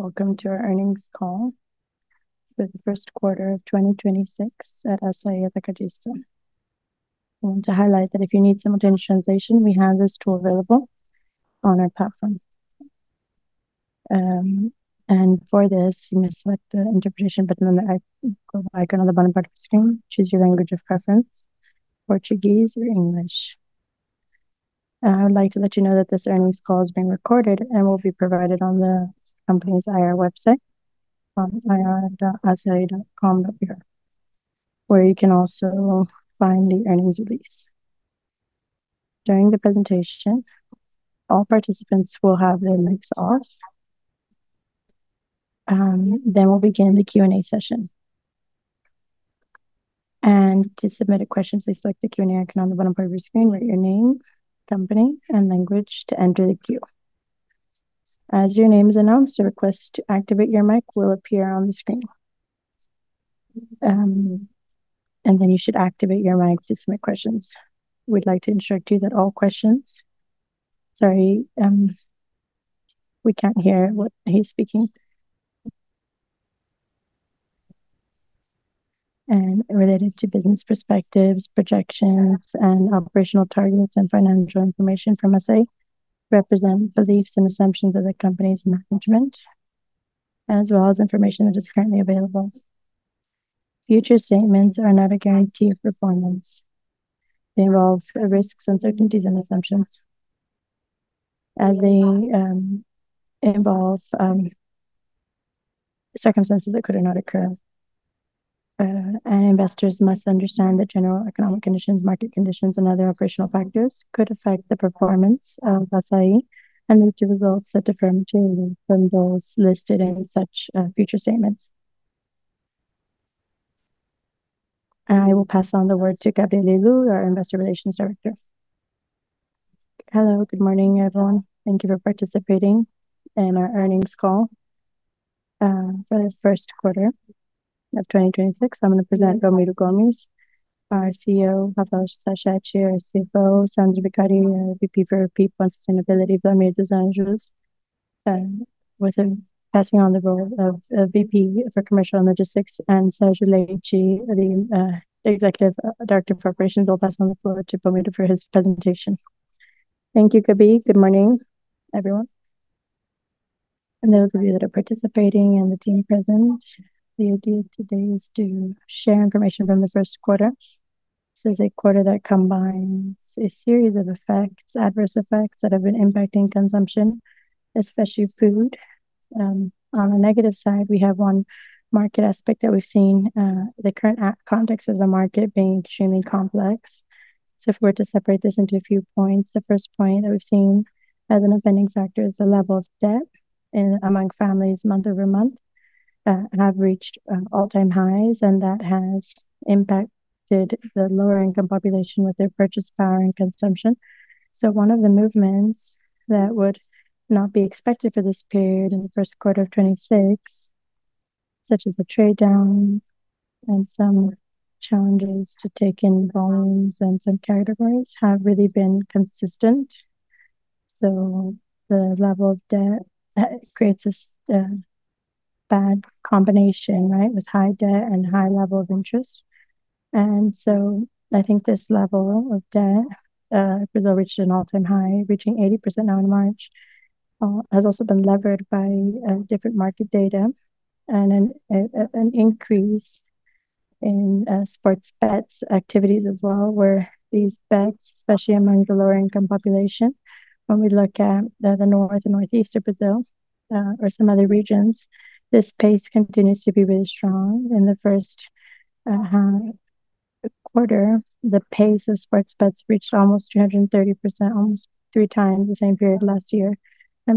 Welcome to our earnings call for the first quarter of 2026 at Assaí Atacadista. I want to highlight that if you need simultaneous translation, we have this tool available on our platform. For this, you may select the Interpretation button on the globe icon on the bottom part of your screen. Choose your language of preference, Portuguese or English. I would like to let you know that this earnings call is being recorded and will be provided on the company's IR website on ir.assai.com.br, where you can also find the earnings release. During the presentation, all participants will have their mics off. We'll begin the Q&A session. To submit a question, please select the Q&A icon on the bottom part of your screen. Write your name, company, and language to enter the queue. As your name is announced, a request to activate your mic will appear on the screen. Then you should activate your mic to submit questions. We'd like to instruct you that all questions. Sorry, we can't hear what he's speaking. Related to business perspectives, projections, and operational targets and financial information from Assaí represent beliefs and assumptions of the company's management, as well as information that is currently available. Future statements are not a guarantee of performance. They involve risks, uncertainties, and assumptions as they involve circumstances that could or not occur. Investors must understand that general economic conditions, market conditions, and other operational factors could affect the performance of Assaí and lead to results that differ materially from those listed in such future statements. I will pass on the word to Gabrielle Helú, our Investor Relations Director. Hello, good morning, everyone. Thank you for participating in our earnings call for the first quarter of 2026. I'm gonna present Belmiro Gomes, our CEO, Rafael Sachete, our CFO, Sandra Vicari, our VP for People and Sustainability, Wlamir dos Anjos, with him passing on the role of VP for Commercial and Logistics, and Sérgio Leite, the Executive Director of Operations. I'll pass on the floor to Belmiro for his presentation. Thank you, Gabi. Good morning, everyone. Those of you that are participating and the team present, the idea today is to share information from the first quarter. This is a quarter that combines a series of effects, adverse effects that have been impacting consumption, especially food. On a negative side, we have one market aspect that we've seen, the current context of the market being extremely complex. If we were to separate this into a few points, the first point that we've seen as an offending factor is the level of debt among families month-over-month, have reached all-time highs, and that has impacted the lower income population with their purchase power and consumption. One of the movements that would not be expected for this period in the first quarter of 2026, such as the trade down and some challenges to take in volumes in some categories, have really been consistent. The level of debt creates a bad combination, right, with high debt and high level of interest. I think this level of debt, Brazil reached an all-time high, reaching 80% now in March, has also been levered by different market data and an increase in sports bets activities as well, where these bets, especially among the lower income population. When we look at the North and Northeast of Brazil, or some other regions, this pace continues to be really strong. In the first half quarter, the pace of sports bets reached almost 230%, almost 3x the same period last year.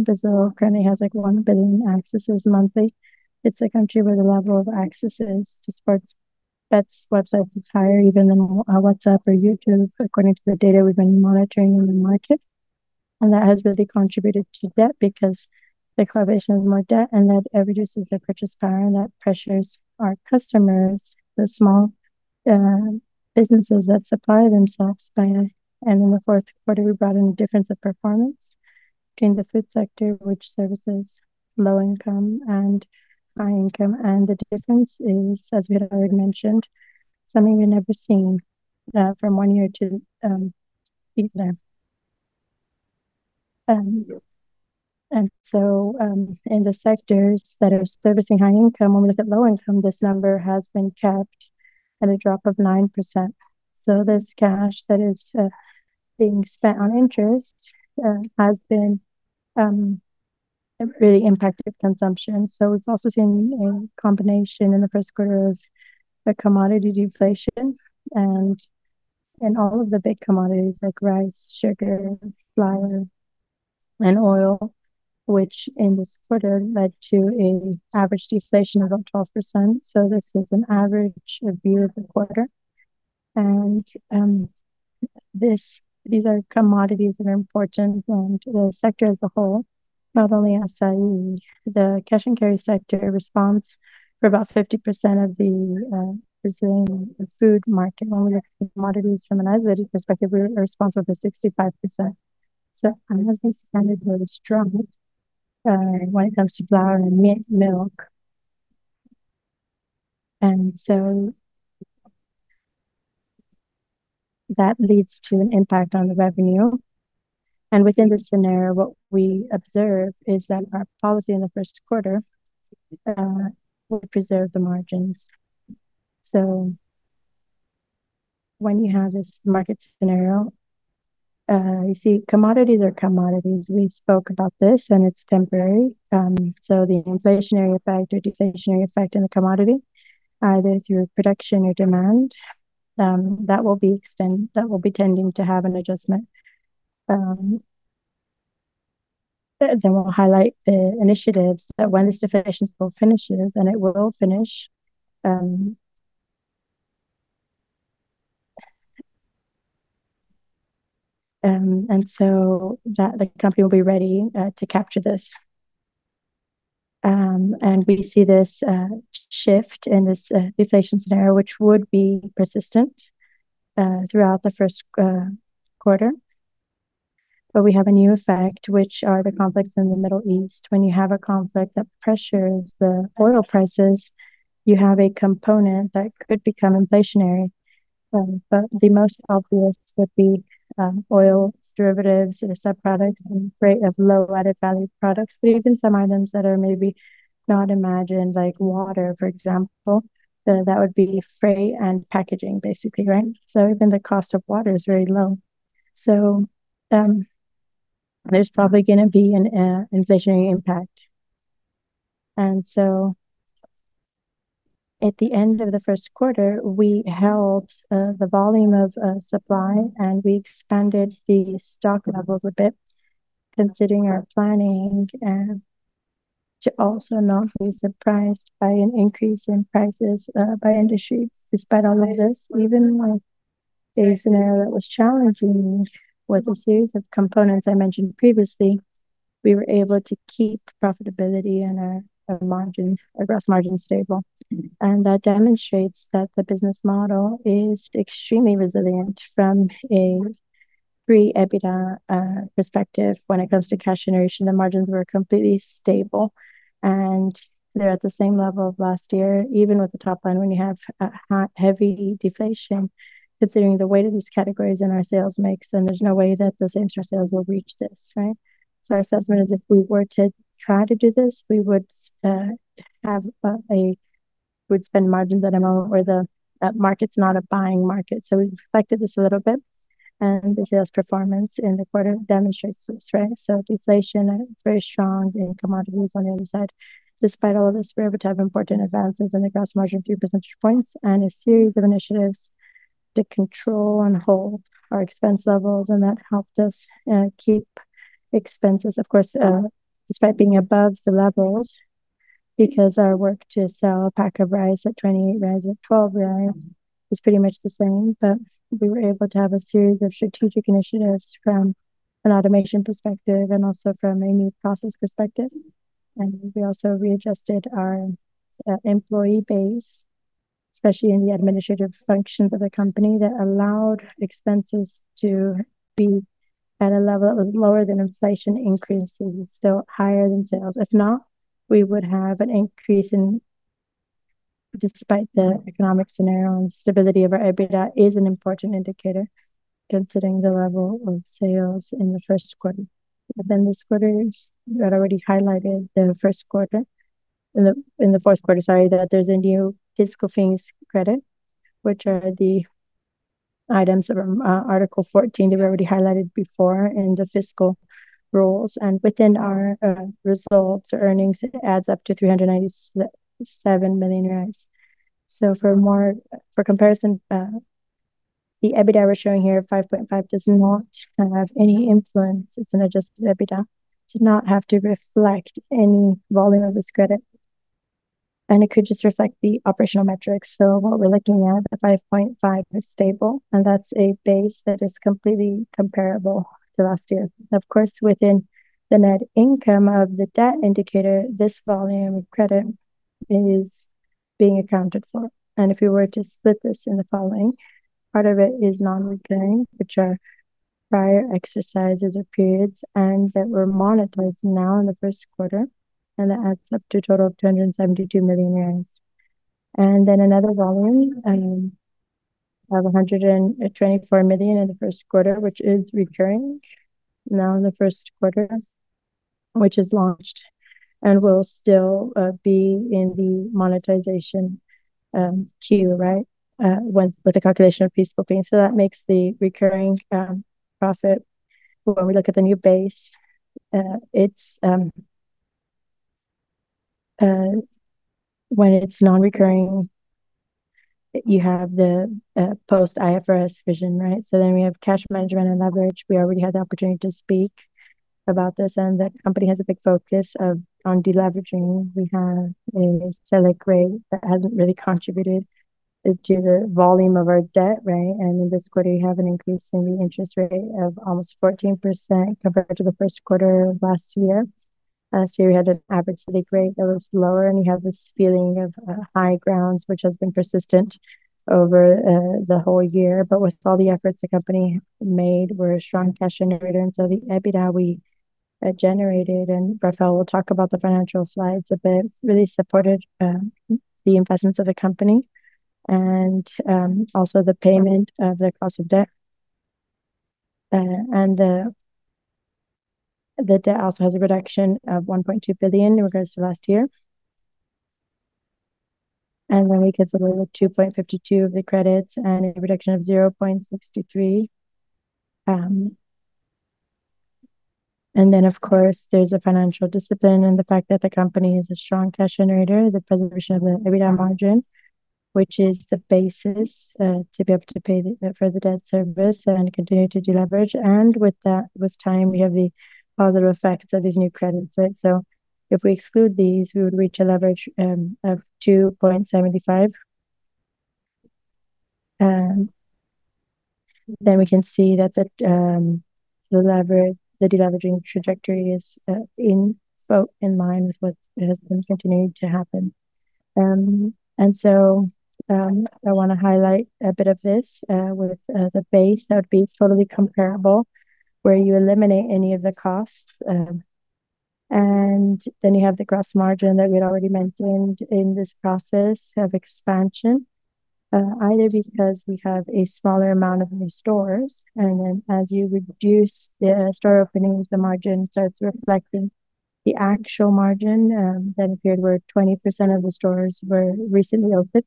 Brazil currently has, like, 1 billion accesses monthly. It's a country where the level of accesses to sports bets websites is higher even than WhatsApp or YouTube, according to the data we've been monitoring in the market. That has really contributed to debt because the correlation with more debt, and that reduces their purchase power and that pressures our customers, the small businesses that supply themselves by. In the fourth quarter, we brought in a difference of performance between the food sector, which services low income and high income. The difference is, as we had already mentioned, something we've never seen from one year to these now. In the sectors that are servicing high income, when we look at low income, this number has been capped at a drop of 9%. This cash that is being spent on interest has been really impacted consumption. We've also seen a combination in the first quarter of the commodity deflation and in all of the big commodities like rice, sugar, flour, and oil, which in this quarter led to a average deflation of about 12%. This is an average of year-over-year. These are commodities that are important and the sector as a whole, not only Assaí. The cash and carry sector responds for about 50% of the Brazilian food market. When we look at commodities from an isolated perspective, we're responsible for 65%. As the standard was dropped, when it comes to flour and milk. That leads to an impact on the revenue. Within this scenario, what we observe is that our policy in the first quarter will preserve the margins. When you have this market scenario, you see commodities are commodities. We spoke about this, and it's temporary. The inflationary effect or deflationary effect in the commodity, either through production or demand, that will be tending to have an adjustment. We'll highlight the initiatives that when this deflation spell finishes, and it will finish. The company will be ready to capture this. We see this shift in this deflation scenario, which would be persistent throughout the first quarter. We have a new effect, which are the conflicts in the Middle East. When you have a conflict that pressures the oil prices, you have a component that could become inflationary. The most obvious would be oil derivatives or sub-products and freight of low added value products, but even some items that are maybe not imagined, like water, for example. That would be freight and packaging basically, right? Even the cost of water is very low. There's probably gonna be an inflationary impact. At the end of the first quarter, we held the volume of supply, and we expanded the stock levels a bit considering our planning and to also not be surprised by an increase in prices by industry. Despite all of this, even like a scenario that was challenging with a series of components I mentioned previously, we were able to keep profitability and our margin, our gross margin stable. That demonstrates that the business model is extremely resilient from a pre-EBITDA perspective. When it comes to cash generation, the margins were completely stable, and they're at the same level of last year. Even with the top line, when you have a hi-heavy deflation, considering the weight of these categories in our sales mix, then there's no way that the same sales will reach this, right? Our assessment is if we were to try to do this, we would have, we'd spend margins at a moment where the market's not a buying market. We reflected this a little bit, and the sales performance in the quarter demonstrates this, right? Deflation, it's very strong in commodities on the other side. Despite all of this, we're able to have important advances in the gross margin, few percentage points and a series of initiatives to control and hold our expense levels, and that helped us keep expenses. Of course, despite being above the levels because our work to sell a pack of rice at 28 or 12 is pretty much the same. We were able to have a series of strategic initiatives from an automation perspective and also from a new process perspective. We also readjusted our employee base, especially in the administrative functions of the company that allowed expenses to be at a level that was lower than inflation increases. It's still higher than sales. If not, we would have an increase in... Despite the economic scenario and stability of our EBITDA is an important indicator considering the level of sales in the first quarter. Within this quarter, I'd already highlighted the first quarter. In the fourth quarter, sorry, that there's a new fiscal things credit, which are the items that are Article 14 that we already highlighted before in the fiscal rules. Within our results or earnings, it adds up to 397 million. For more comparison, the EBITDA we're showing here, 5.5%, does not have any influence. It's an Adjusted EBITDA. Did not have to reflect any volume of this credit, and it could just reflect the operational metrics. What we're looking at, the 5.5% is stable, and that's a base that is completely comparable to last year. Of course, within the net income of the debt indicator, this volume of credit is being accounted for. If you were to split this in the following, part of it is non-recurring, which are prior exercises or periods and that were monetized now in the first quarter, and that adds up to a total of BRL 272 million. Another volume of 124 million in the first quarter, which is recurring now in the first quarter, which is launched and will still be in the monetization queue, right, with the calculation of PIS and COFINS. That makes the recurring profit. When we look at the new base, when it's non-recurring, you have the post IFRS vision, right. Then we have cash management and leverage. We already had the opportunity to speak about this, the company has a big focus on deleveraging. We have a SELIC rate that hasn't really contributed to the volume of our debt, right. In this quarter, we have an increase in the interest rate of almost 14% compared to the first quarter of last year. Last year, we had an average SELIC rate that was lower, and you have this feeling of high grounds, which has been persistent over the whole year. With all the efforts the company made, we're a strong cash generator. The EBITDA we generated, and Rafael will talk about the financial slides a bit, really supported the investments of the company and also the payment of the cost of debt. The debt also has a reduction of 1.2 billion in regards to last year. When we consider the 2.52% credits and a reduction of BRL 0.63%. Of course there is a financial discipline and the fact that the company is a strong cash generator, the preservation of the EBITDA margin, which is the basis to be able to pay for the debt service and continue to deleverage. With that, with time, we have the positive effects of these new credits, right? If we exclude these, we would reach a leverage of 2.75x. We can see that the deleveraging trajectory is in line with what has been continuing to happen. I wanna highlight a bit of this with the base that would be totally comparable, where you eliminate any of the costs. You have the gross margin that we'd already mentioned in this process of expansion. Either because we have a smaller amount of new stores, and then as you reduce the store openings, the margin starts reflecting the actual margin that appeared where 20% of the stores were recently opened.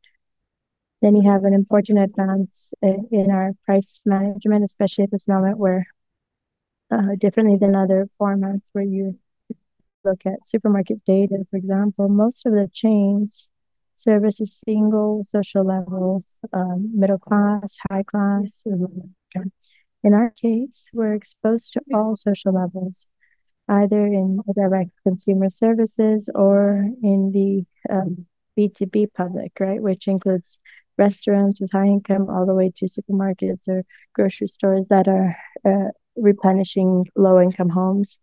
You have an important advance in our price management, especially at this moment where differently than other formats where you look at supermarket data, for example. Most of the chains service a single social level, middle class, high class. In our case, we're exposed to all social levels, either in direct consumer services or in the B2B public, right? Which includes restaurants with high income, all the way to supermarkets or grocery stores that are replenishing low-income homes.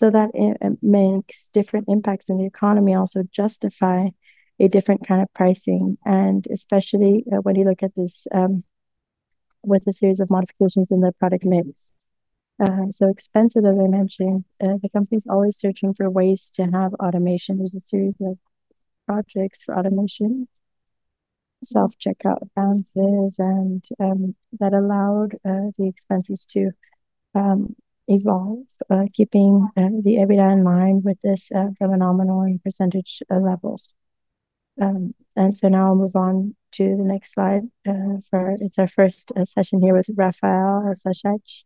That makes different impacts in the economy also justify a different kind of pricing, and especially when you look at this with a series of modifications in the product mix. Expenses, as I mentioned, the company's always searching for ways to have automation. There's a series of projects for automation, self-checkout balances, and that allowed the expenses to evolve, keeping the EBITDA in line with this from a nominal and percentage levels. Now I'll move on to the next slide. It's our first session here with Rafael Sachete.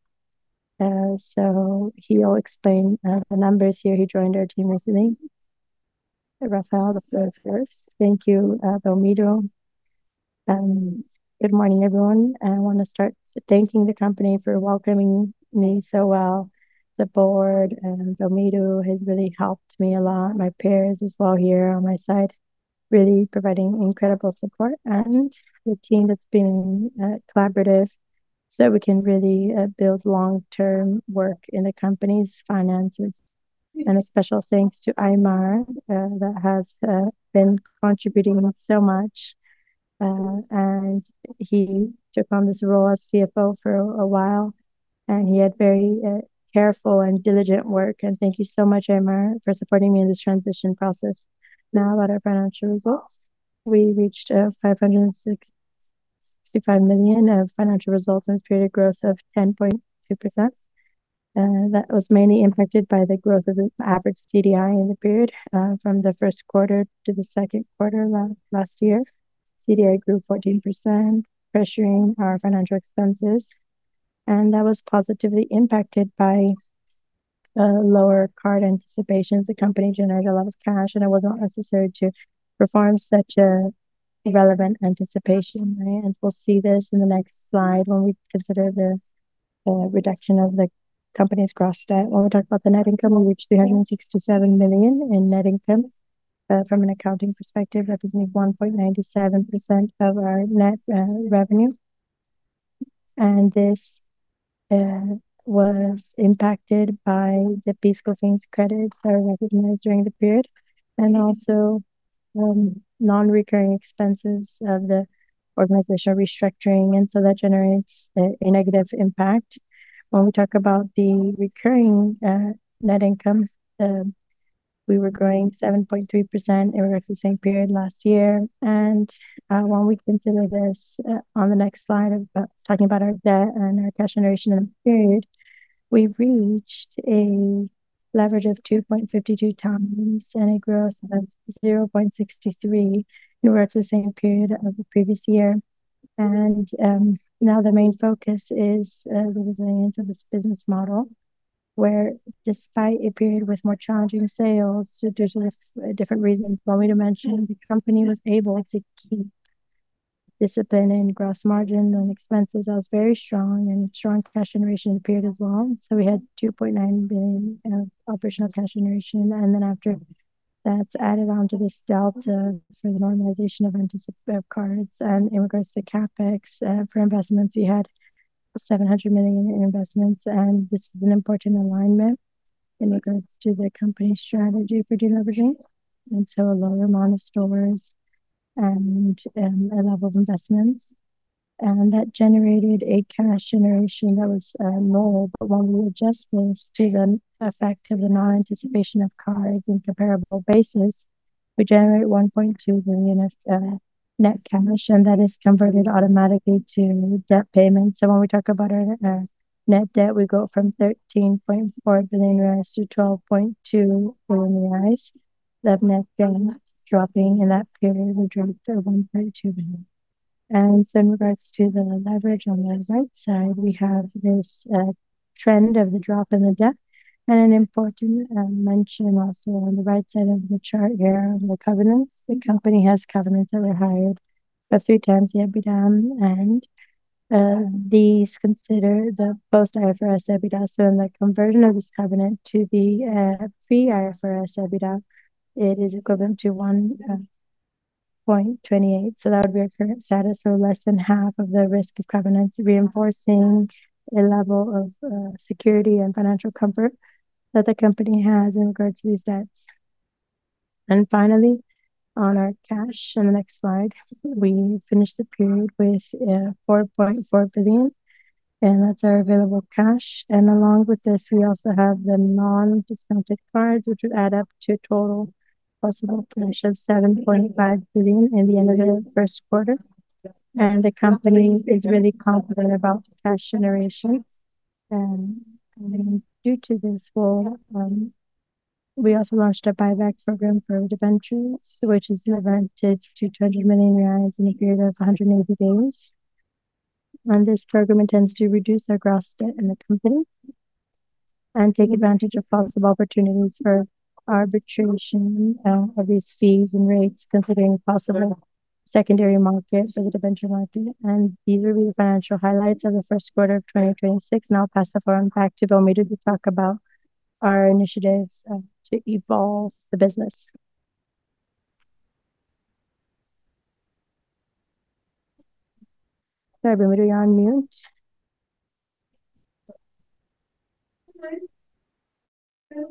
He'll explain the numbers here. He joined our team recently. Rafael, the floor is yours. Thank you, Belmiro. Good morning, everyone. I want to start thanking the company for welcoming me so well. The board and Belmiro has really helped me a lot. My peers as well here on my side, really providing incredible support. The team has been collaborative, so we can really build long-term work in the company's finances. A special thanks to Aymar, that has been contributing so much. He took on this role as CFO for a while, and he had very careful and diligent work. Thank you so much, Aymar, for supporting me in this transition process. Now, about our financial results. We reached 565 million of financial results in this period, growth of 10.2%. That was mainly impacted by the growth of the average CDI in the period, from the first quarter to the second quarter last year. CDI grew 14%, pressuring our financial expenses, and that was positively impacted by lower card anticipations. The company generated a lot of cash, and it wasn't necessary to perform such a relevant anticipation. Right. We'll see this in the next slide when we consider the reduction of the company's gross debt. When we talk about the net income, we reached 367 million in net income from an accounting perspective, representing 1.97% of our net revenue. This was impacted by the PIS and COFINS credits that were recognized during the period, and also non-recurring expenses of the organizational restructuring, and so that generates a negative impact. When we talk about the recurring net income, we were growing 7.3% in regards to the same period last year. When we consider this on the next slide about, talking about our debt and our cash generation in the period, we reached a leverage of 2.52x and a growth of 0.63 in regards to the same period of the previous year. Now the main focus is the resilience of this business model, where despite a period with more challenging sales, there's different reasons for me to mention, the company was able to keep discipline in gross margins and expenses. That was very strong. Strong cash generation appeared as well. We had 2.9 billion in operational cash generation. After that's added on to this delta for the normalization of anticipation of cards and in regards to CapEx for investments, we had 700 million in investments, this is an important alignment in regards to the company's strategy for deleveraging. A lower amount of stores and a level of investments, that generated a cash generation that was null. When we adjust this to the effect of the non-anticipation of cards and comparable basis, we generate 1.2 billion of net cash, that is converted automatically to debt payments. When we talk about our net debt, we go from 13.4 billion to 12.2 billion. That net debt dropping in that period, we dropped 1.2 billion. In regards to the leverage on the right side, we have this trend of the drop in the debt. An important mention also on the right side of the chart here are the covenants. The company has covenants that were hired about 3x the EBITDA, and these consider the post-IFRS EBITDA. In the conversion of this covenant to the pre-IFRS EBITDA, it is equivalent to 1.28x. That would be our current status, so less than half of the risk of covenants reinforcing a level of security and financial comfort that the company has in regards to these debts. Finally, on our cash in the next slide, we finish the period with 4.4 billion, and that's our available cash. Along with this, we also have the non-discounted cards, which would add up to a total possible cash of 7.5 billion in the end of the first quarter. The company is really confident about the cash generation. Due to this flow, we also launched a buyback program for debentures, which is limited to 200 million reais in a period of 180 days. This program intends to reduce our gross debt in the company and take advantage of possible opportunities for arbitration of these fees and rates, considering possible secondary market for the debenture market. These will be the financial highlights of the first quarter of 2026. I'll pass the floor back to Belmiro to talk about our initiatives to evolve the business. Sorry, Belmiro, you're on mute.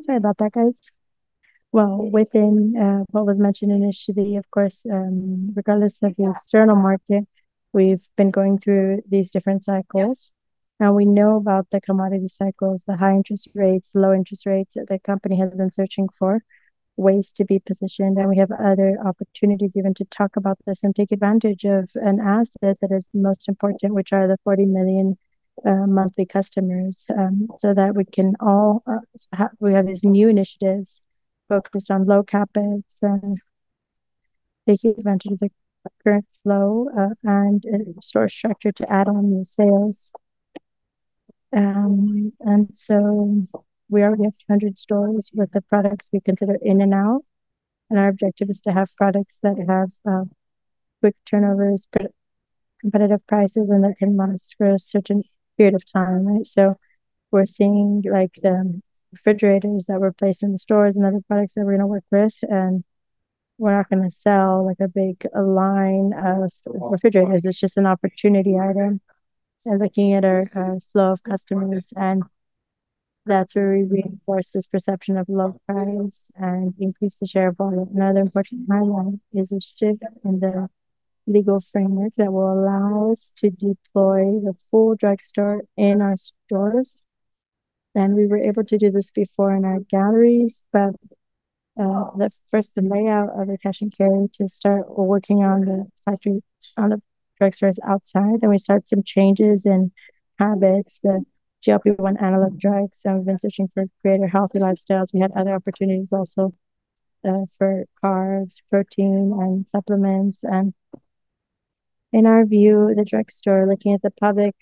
Sorry about that, guys. Within what was mentioned initially, of course, regardless of the external market, we've been going through these different cycles. We know about the commodity cycles, the high interest rates, low interest rates that the company has been searching for, ways to be positioned. We have other opportunities even to talk about this and take advantage of an asset that is most important, which are the 40 million monthly customers. We can all have these new initiatives focused on low CapEx and taking advantage of the current flow and store structure to add on new sales. We already have 200 stores with the products we consider in and out, and our objective is to have products that have quick turnovers, competitive prices, and that can last for a certain period of time, right? We're seeing, like, the refrigerators that were placed in the stores and other products that we're gonna work with, and we're not gonna sell, like, a big line of refrigerators. It's just an opportunity item. Looking at our flow of customers, and that's where we reinforce this perception of low price and increase the share volume. Another important highlight is a shift in the legal framework that will allow us to deploy the full drugstore in our stores. We were able to do this before in our galleries, but the first, the layout of the cash and carry to start working on the drugstores outside. We saw some changes in habits that helped people want analog drugs, so we've been searching for greater healthy lifestyles. We have other opportunities also for carbs, protein, and supplements. In our view, the drugstore, looking at the public,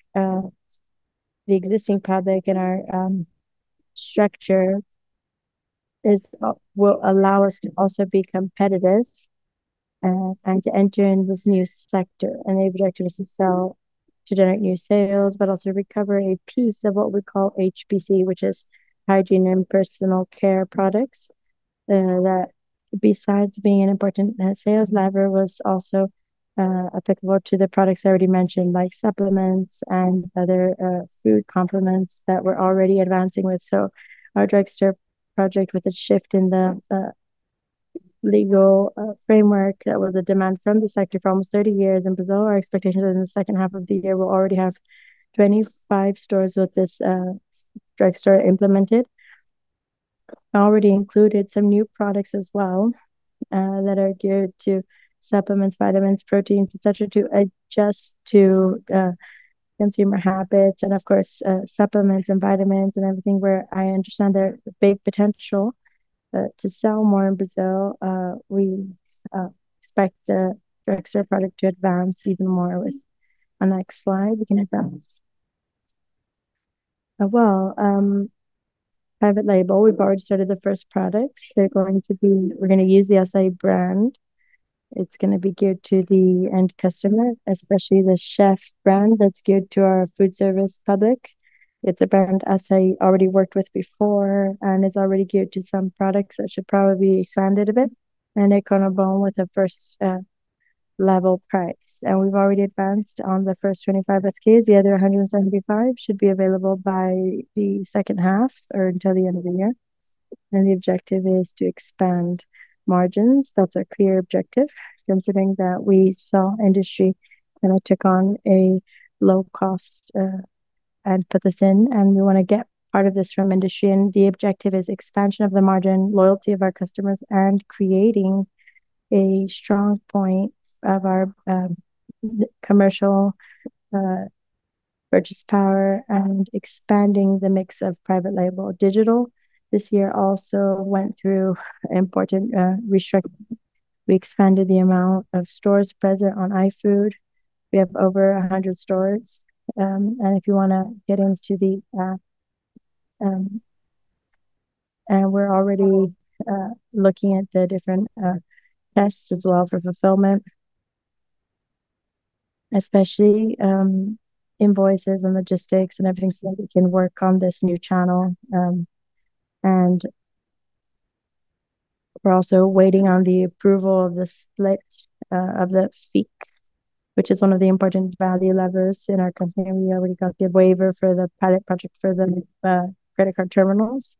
the existing public and our structure will allow us to also be competitive and to enter in this new sector. The objective is to generate new sales, but also recover a piece of what we call HPC, which is hygiene and personal care products, that besides being an important sales lever, was also applicable to the products I already mentioned, like supplements and other food complements that we're already advancing with. Our drugstore project with a shift in the legal framework, that was a demand from the sector for almost 30 years in Brazil. Our expectation is in the second half of the year, we'll already have 25 stores with this drugstore implemented. Already included some new products as well, that are geared to supplements, vitamins, proteins, et cetera, to adjust to consumer habits. Of course, supplements and vitamins and everything where I understand there's big potential to sell more in Brazil. We expect the drugstore product to advance even more. On the next slide, we can advance. Well, private label, we've already started the first products. We're gonna use the Assaí brand. It's gonna be geared to the end customer, especially the Chef brand that's geared to our food service public. It's a brand Assaí already worked with before, and it's already geared to some products that should probably be expanded a bit. Econobom with the first level price. We've already advanced on the first 25 SKUs. The other 175 should be available by the second half or until the end of the year. The objective is to expand margins. That's a clear objective considering that we saw industry, and I took on a low-cost, and put this in, and we wanna get part of this from industry. The objective is expansion of the margin, loyalty of our customers, and creating a strong point of our commercial purchase power and expanding the mix of private label digital. This year also went through important restrict— we expanded the amount of stores present on iFood. We have over 100 stores. If you wanna get into the, and we're already looking at the different tests as well for fulfillment. Especially invoices and logistics and everything so that we can work on this new channel. We're also waiting on the approval of the split of the FIC, which is one of the important value levers in our company. We already got the waiver for the pilot project for the credit card terminals.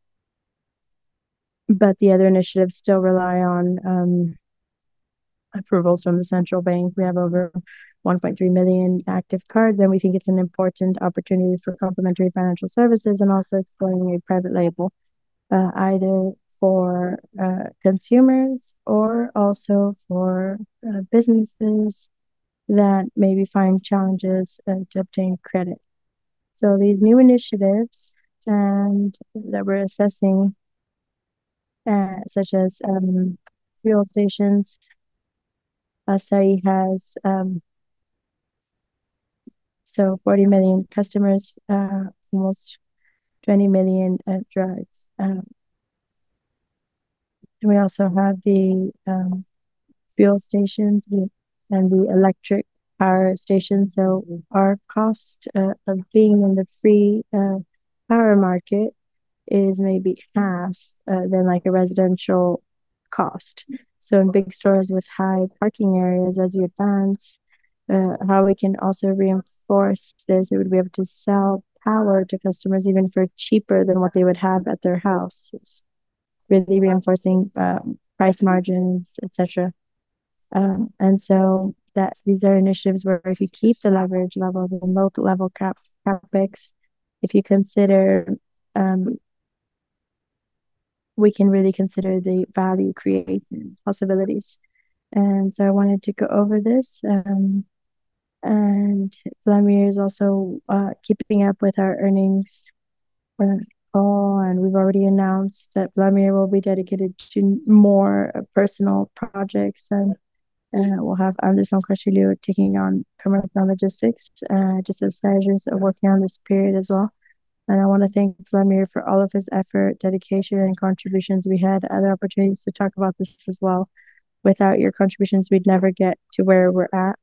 The other initiatives still rely on approvals from the central bank. We have over 1.3 million active cards, and we think it's an important opportunity for complementary financial services and also exploring a private label, either for consumers or also for businesses that maybe find challenges to obtain credit. These new initiatives and that we're assessing, such as fuel stations. Assaí has 40 million customers, almost 20 million at drugs. We also have the fuel stations and the electric power stations. Our cost of being in the free power market is maybe half than like a residential cost. In big stores with high parking areas, as you advance, how we can also reinforce this, it would be able to sell power to customers even for cheaper than what they would have at their house. It's really reinforcing price margins, et cetera. These are initiatives where if you keep the leverage levels and low level CapEx, if you consider, we can really consider the value creation possibilities. I wanted to go over this. Wlamir is also keeping up with our earnings for the call, and we've already announced that Wlamir will be dedicated to more personal projects. We'll have Anderson Castilho taking on commercial logistics, just as Sérgio's working on this period as well. I wanna thank Wlamir for all of his effort, dedication, and contributions. We had other opportunities to talk about this as well. Without your contributions, we'd never get to where we're at.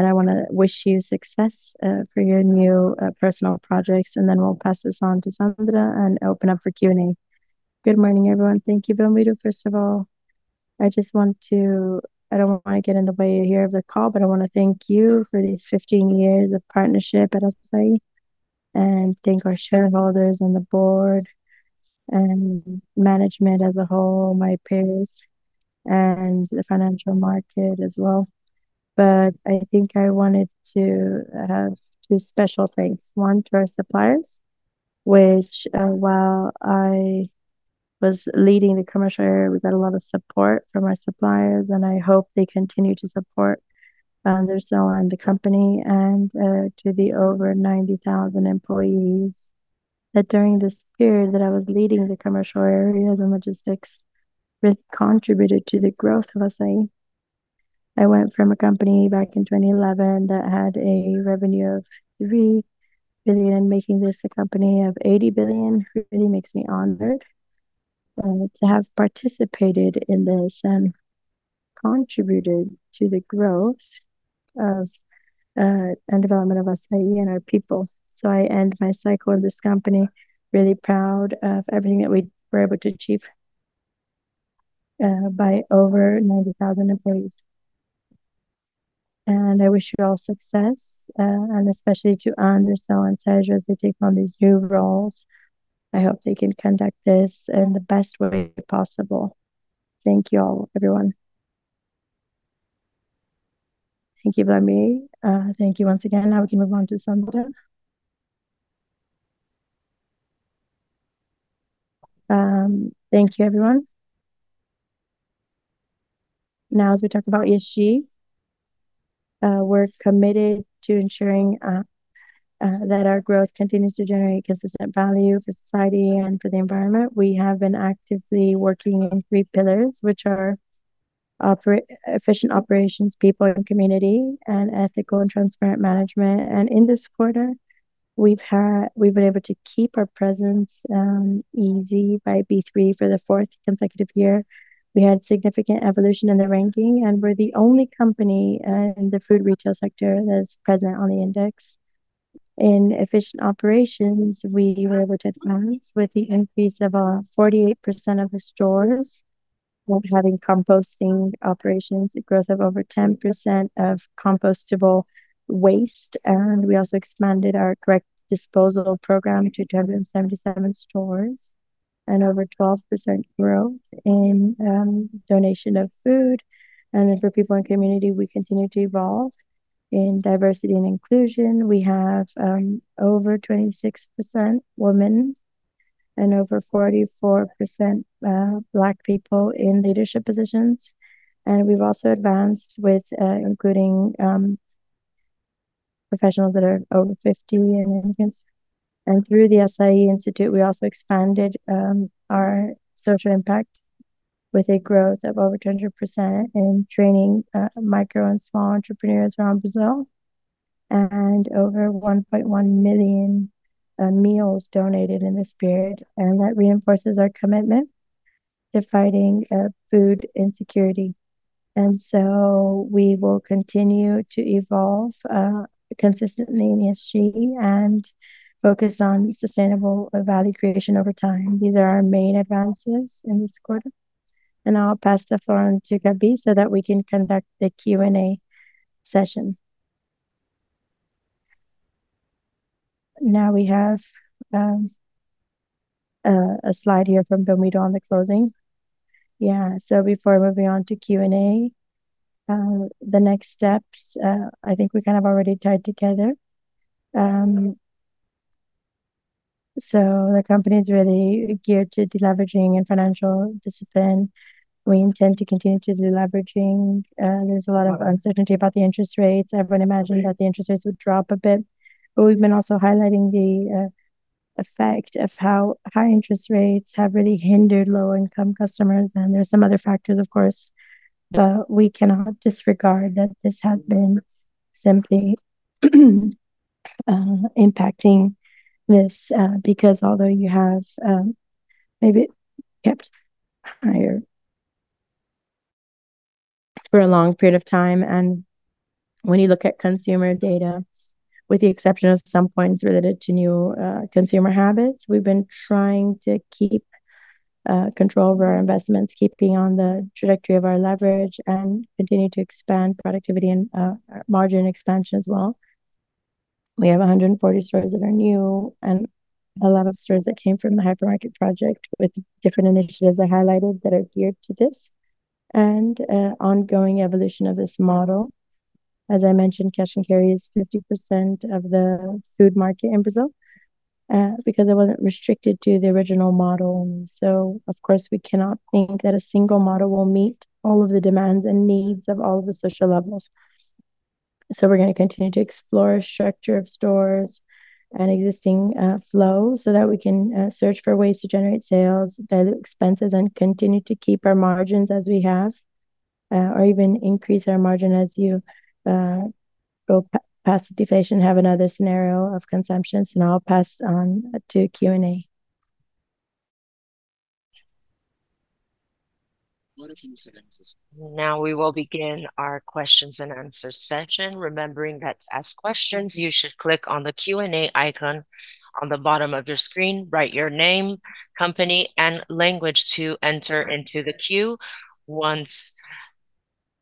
I wanna wish you success for your new personal projects. Then we'll pass this on to Sandra and open up for Q&A. Good morning, everyone. Thank you, Belmiro, first of all. I don't want to get in the way here of the call, but I want to thank you for these 15 years of partnership at Assaí. Thank our shareholders and the board and management as a whole, my peers, and the financial market as well. I think I wanted to, two special things. One to our suppliers, which, while I was leading the commercial area, we got a lot of support from our suppliers, and I hope they continue to support Anderson and the company and to the over 90,000 employees that during this period that I was leading the commercial areas and logistics really contributed to the growth of Assaí. I went from a company back in 2011 that had a revenue of 3 billion, making this a company of 80 billion, really makes me honored to have participated in this and contributed to the growth of and development of Assaí and our people. I end my cycle in this company really proud of everything that we were able to achieve by over 90,000 employees. I wish you all success, and especially to Anderson and Sérgio as they take on these new roles. I hope they can conduct this in the best way possible. Thank you all, everyone. Thank you, Wlamir. Thank you once again. Now we can move on to Sandra. Thank you everyone. As we talk about ESG, we're committed to ensuring that our growth continues to generate consistent value for society and for the environment. We have been actively working in three pillars, which are efficient operations, people and community, and ethical and transparent management. In this quarter, we've been able to keep our presence easy by B3 for the fourth consecutive year. We had significant evolution in the ranking, and we're the only company in the food retail sector that is present on the index. In efficient operations, we were able to advance with the increase of 48% of the stores. We're having composting operations, a growth of over 10% of compostable waste. We also expanded our correct disposal program to 277 stores, and over 12% growth in donation of food. For people in community, we continue to evolve. In diversity and inclusion, we have over 26% women and over 44% Black people in leadership positions. We've also advanced with including professionals that are over 50 and Americans. Through the Assaí Institute, we also expanded our social impact with a growth of over 200% in training micro and small entrepreneurs around Brazil, and over 1.1 million meals donated in this period. That reinforces our commitment to fighting food insecurity. We will continue to evolve consistently in ESG, and focused on sustainable value creation over time. These are our main advances in this quarter. I'll pass the floor on to Gabi so that we can conduct the Q&A session. Now we have a slide here from Belmiro on the closing. Before moving on to Q&A, the next steps, I think we kind of already tied together. The company's really geared to deleveraging and financial discipline. We intend to continue to do leveraging. There's a lot of uncertainty about the interest rates. Everyone imagined that the interest rates would drop a bit, but we've been also highlighting the effect of how high interest rates have really hindered low-income customers, and there are some other factors of course. We cannot disregard that this has been simply impacting this, because although you have maybe kept higher for a long period of time, and when you look at consumer data, with the exception of some points related to new consumer habits, we've been trying to keep control over our investments, keeping on the trajectory of our leverage and continue to expand productivity and margin expansion as well. We have 140 stores that are new and a lot of stores that came from the hypermarket project with different initiatives I highlighted that are geared to this, and ongoing evolution of this model. I mentioned, cash and carry is 50% of the food market in Brazil, because it wasn't restricted to the original model. Of course we cannot think that a single model will meet all of the demands and needs of all the social levels. We're gonna continue to explore a structure of stores and existing flow so that we can search for ways to generate sales, value expenses, and continue to keep our margins as we have, or even increase our margin as you go past deflation, have another scenario of consumptions. I'll pass on to Q&A. Now we will begin our questions and answer session. Remembering that to ask questions, you should click on the Q&A icon on the bottom of your screen. Write your name, company, and language to enter into the queue. Once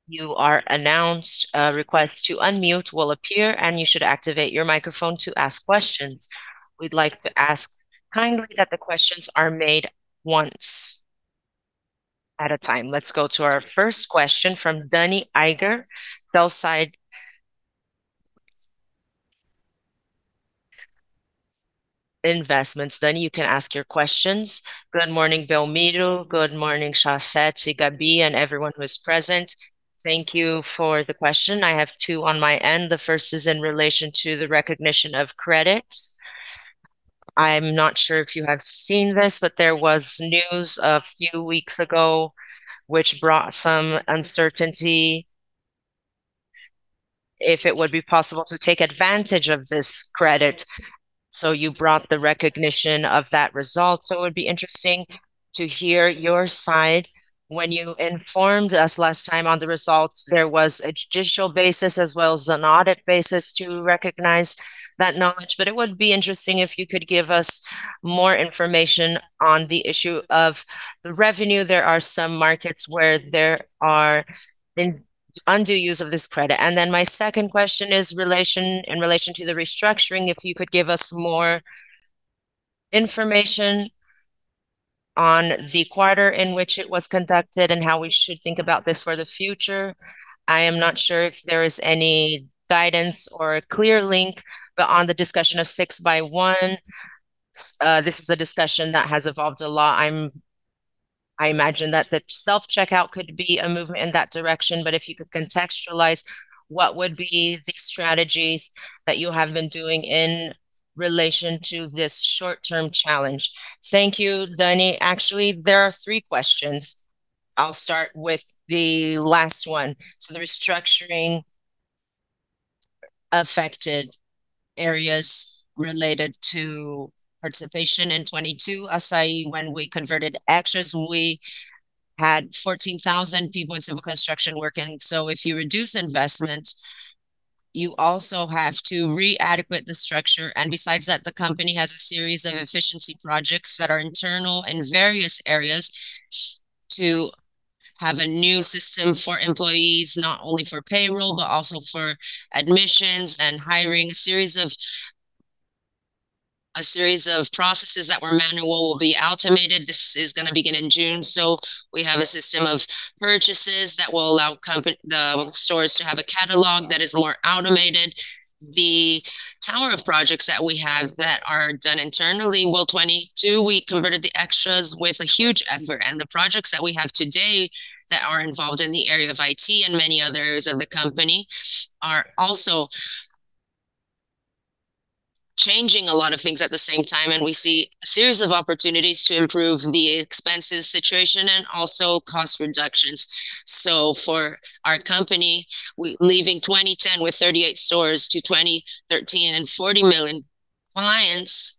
you are announced, a request to unmute will appear, and you should activate your microphone to ask questions. We'd like to ask kindly that the questions are made once at a time. Let's go to our first question from Danni Eiger, XP Investimentos. Danni, you can ask your questions. Good morning, Belmiro. Good morning, Rafael Sachete, Gabrielle Helú, and everyone who is present. Thank you for the question. I have two on my end. The first is in relation to the recognition of credit. I'm not sure if you have seen this, but there was news a few weeks ago which brought some uncertainty if it would be possible to take advantage of this credit. You brought the recognition of that result, so it would be interesting to hear your side. When you informed us last time on the results, there was a judicial basis as well as an audit basis to recognize that knowledge. It would be interesting if you could give us more information on the issue of the revenue. There are some markets where there are undue use of this credit. My second question is in relation to the restructuring, if you could give us more information on the quarter in which it was conducted and how we should think about this for the future. I am not sure if there is any guidance or a clear link, on the discussion of six by one, this is a discussion that has evolved a lot. I imagine that the self-checkout could be a movement in that direction. If you could contextualize what would be the strategies that you have been doing in relation to this short-term challenge. Thank you, Dani. Actually, there are three questions. I'll start with the last one. The restructuring affected areas related to participation in 2022. Assaí, when we converted actions, we had 14,000 people in civil construction working. If you reduce investment, you also have to re-adequate the structure. Besides that, the company has a series of efficiency projects that are internal in various areas to have a new system for employees, not only for payroll, but also for admissions and hiring. A series of processes that were manual will be automated. This is gonna begin in June. We have a system of purchases that will allow the stores to have a catalog that is more automated. The tower of projects that we have that are done internally, well, 2022 we converted the Extra with a huge effort. The projects that we have today that are involved in the area of IT and many others of the company are also changing a lot of things at the same time, and we see a series of opportunities to improve the expenses situation and also cost reductions. For our company, leaving 2010 with 38 stores to 2013 and 40 million clients,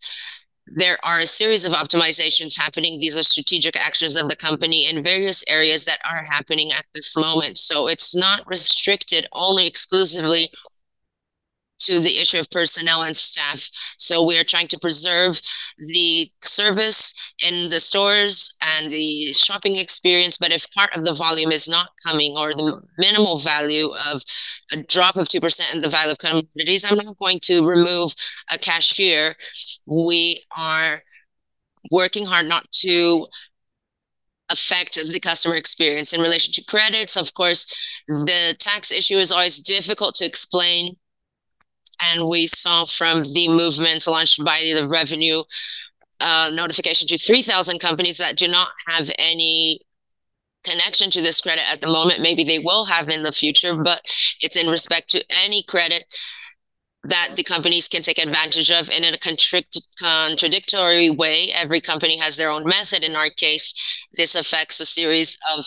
there are a series of optimizations happening. These are strategic actions of the company in various areas that are happening at this moment, it's not restricted only exclusively to the issue of personnel and staff. We are trying to preserve the service in the stores and the shopping experience, but if part of the volume is not coming or the minimal value of a drop of 2% in the value of commodities, I'm not going to remove a cashier. We are working hard not to affect the customer experience. In relation to credits, of course, the tax issue is always difficult to explain, and we saw from the movement launched by the revenue, notification to 3,000 companies that do not have any connection to this credit at the moment. Maybe they will have in the future, but it's in respect to any credit that the companies can take advantage of in a contradictory way. Every company has their own method. In our case, this affects a series of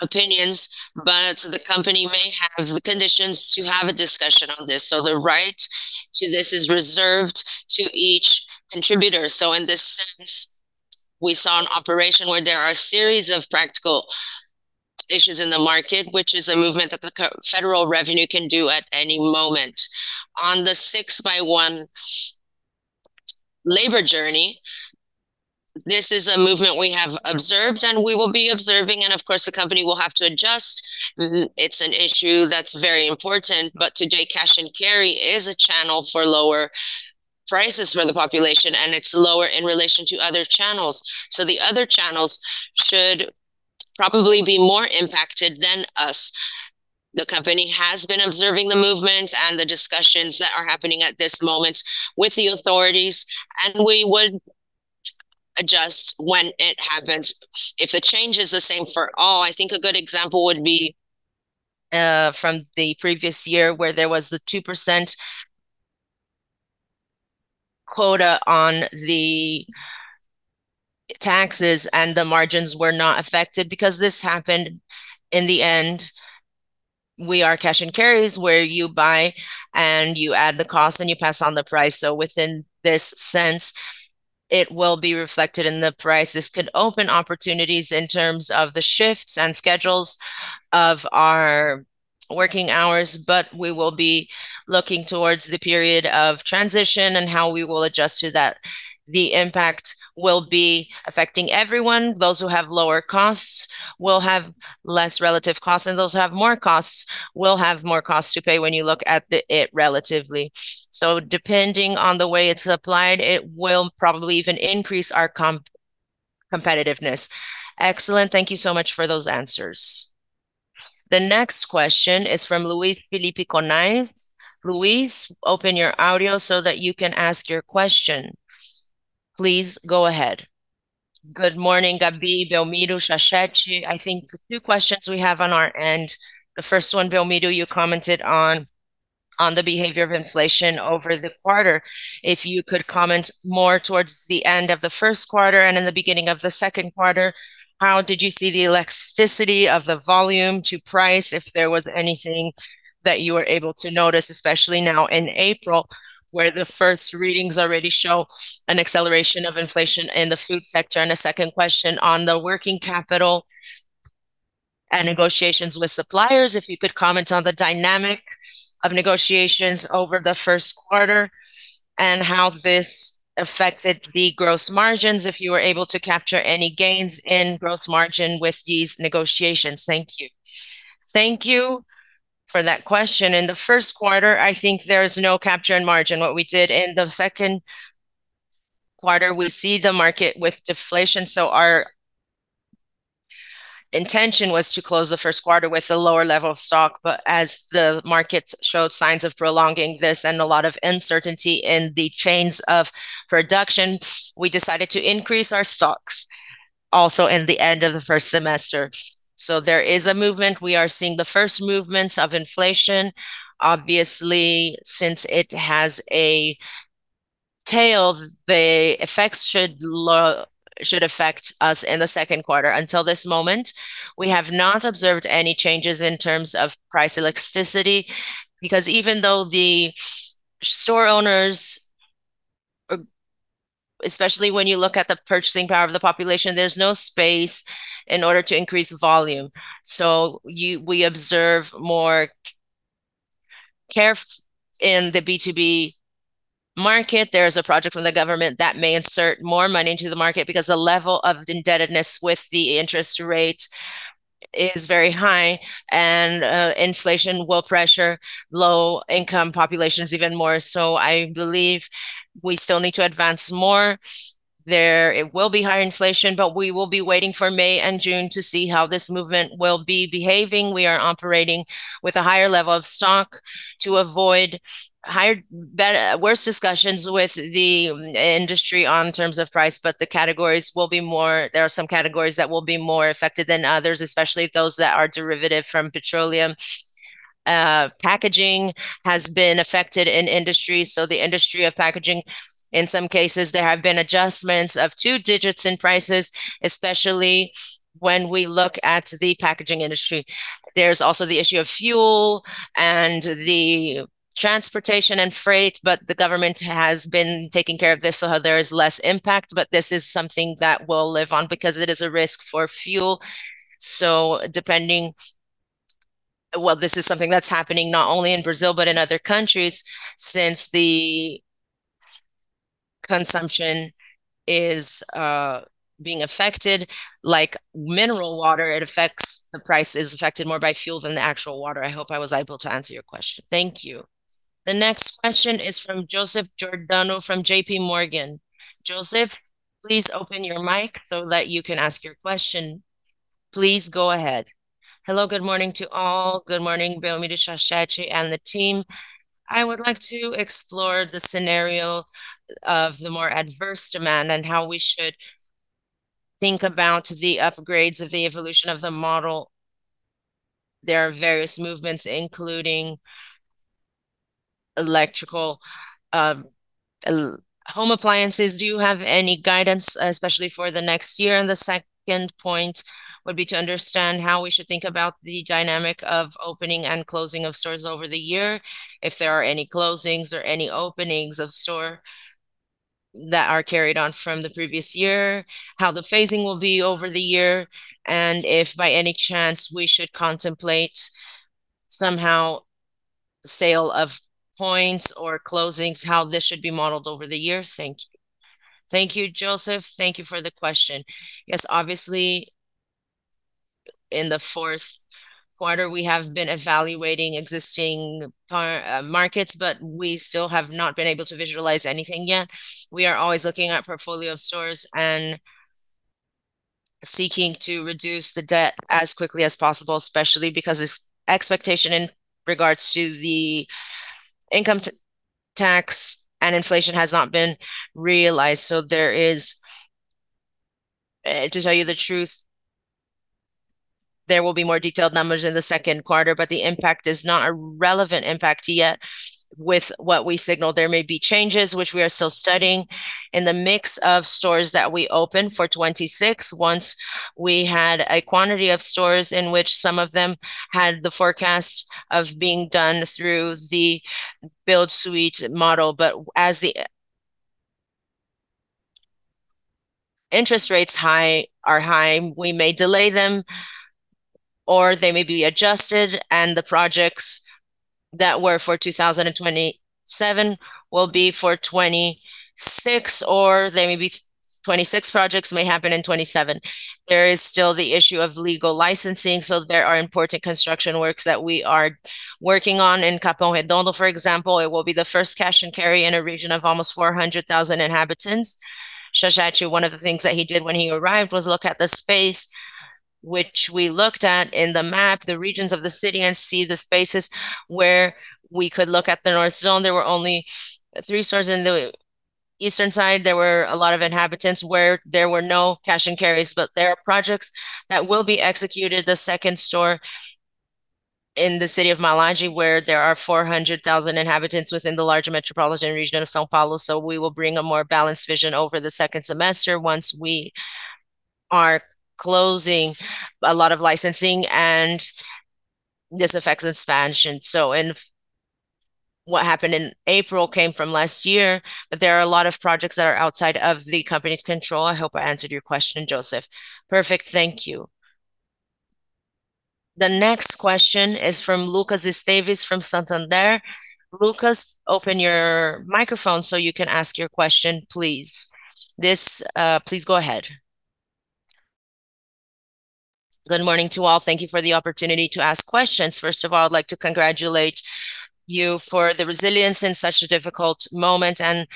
opinions, but the company may have the conditions to have a discussion on this. The right to this is reserved to each contributor. In this sense, we saw an operation where there are a series of practical issues in the market, which is a movement that the federal revenue can do at any moment. On the 6x1 labor journey, this is a movement we have observed and we will be observing, and of course the company will have to adjust. It's an issue that's very important. Today, cash and carry is a channel for lower prices for the population, and it's lower in relation to other channels. The other channels should probably be more impacted than us. The company has been observing the movements and the discussions that are happening at this moment with the authorities, and we would adjust when it happens. If the change is the same for all, I think a good example would be from the previous year where there was the 2% quota on the taxes, and the margins were not affected. This happened, in the end, we are cash and carries where you buy and you add the cost and you pass on the price. Within this sense, it will be reflected in the price. This could open opportunities in terms of the shifts and schedules of our working hours. We will be looking towards the period of transition and how we will adjust to that. The impact will be affecting everyone. Those who have lower costs will have less relative costs. Those who have more costs will have more costs to pay when you look at it relatively. Depending on the way it's applied, it will probably even increase our competitiveness. Excellent. Thank you so much for those answers. The next question is from Luiz Felipe Guanais. Luiz, open your audio so that you can ask your question. Please go ahead. Good morning, Gabi, Belmiro, Rafael Sachete. I think the two questions we have on our end, the first one, Belmiro, you commented on the behavior of inflation over the quarter. If you could comment more towards the end of the first quarter and in the beginning of the second quarter, how did you see the elasticity of the volume to price, if there was anything that you were able to notice, especially now in April, where the first readings already show an acceleration of inflation in the food sector? A second question on the working capital and negotiations with suppliers. If you could comment on the dynamic of negotiations over the first quarter and how this affected the gross margins, if you were able to capture any gains in gross margin with these negotiations. Thank you. Thank you for that question. In the first quarter, I think there is no capture in margin. What we did in the second quarter, we see the market with deflation, so our intention was to close the first quarter with a lower level of stock. As the market showed signs of prolonging this and a lot of uncertainty in the chains of production, we decided to increase our stocks also in the end of the first semester. There is a movement. We are seeing the first movements of inflation. Obviously, since it has a tail, the effects should affect us in the second quarter. Until this moment, we have not observed any changes in terms of price elasticity. Because especially when you look at the purchasing power of the population, there's no space in order to increase volume. In the B2B market, there is a project from the government that may insert more money into the market because the level of indebtedness with the interest rate is very high, and inflation will pressure low-income populations even more. I believe we still need to advance more. There, it will be higher inflation, but we will be waiting for May and June to see how this movement will be behaving. We are operating with a higher level of stock to avoid higher, worse discussions with the industry on terms of price. There are some categories that will be more affected than others, especially those that are derivative from petroleum. Packaging has been affected in industry, so the industry of packaging, in some cases, there have been adjustments of two digits in prices, especially when we look at the packaging industry. There's also the issue of fuel and the transportation and freight, the government has been taking care of this, so there is less impact. This is something that will live on because it is a risk for fuel. Depending, this is something that's happening not only in Brazil, but in other countries since the consumption is being affected. Like mineral water, the price is affected more by fuel than the actual water. I hope I was able to answer your question. Thank you. The next question is from Joseph Giordano from JPMorgan. Joseph, please open your mic so that you can ask your question. Please go ahead. Hello. Good morning to all. Good morning, Belmiro, Sachete, and the team. I would like to explore the scenario of the more adverse demand and how we should think about the upgrades of the evolution of the model. There are various movements, including electrical home appliances. Do you have any guidance, especially for the next year? The second point would be to understand how we should think about the dynamic of opening and closing of stores over the year, if there are any closings or any openings of store that are carried on from the previous year, how the phasing will be over the year, and if by any chance we should contemplate somehow sale of points or closings, how this should be modeled over the year. Thank you. Thank you, Joseph. Thank you for the question. Yes, obviously, in the fourth quarter, we have been evaluating existing markets, but we still have not been able to visualize anything yet. We are always looking at portfolio of stores and seeking to reduce the debt as quickly as possible, especially because this expectation in regards to the income tax and inflation has not been realized. To tell you the truth, there will be more detailed numbers in the second quarter, but the impact is not a relevant impact yet with what we signaled. There may be changes, which we are still studying, in the mix of stores that we open for 2026. Once we had a quantity of stores in which some of them had the forecast of being done through the built to suit model. As the interest rates are high, we may delay them, or they may be adjusted, and the projects that were for 2027 will be for 2026, or 2026 projects may happen in 2027. There is still the issue of legal licensing, there are important construction works that we are working on in Capão Redondo, for example. It will be the first cash and carry in a region of almost 400,000 inhabitants. Sachete, one of the things that he did when he arrived was look at the space which we looked at in the map, the regions of the city, and see the spaces where we could look at the North Zone. There were only three stores in the eastern side. There were a lot of inhabitants where there were no cash-and-carries. There are projects that will be executed. The second store in the city of Mogi, where there are 400,000 inhabitants within the larger metropolitan region of São Paulo. We will bring a more balanced vision over the second semester once we are closing a lot of licensing, and this affects expansion. What happened in April came from last year. There are a lot of projects that are outside of the company's control. I hope I answered your question, Joseph. Perfect. Thank you. The next question is from Lucas Esteves from Santander. Lucas, open your microphone so you can ask your question, please. Please go ahead. Good morning to all. Thank you for the opportunity to ask questions. First of all, I'd like to congratulate you for the resilience in such a difficult moment and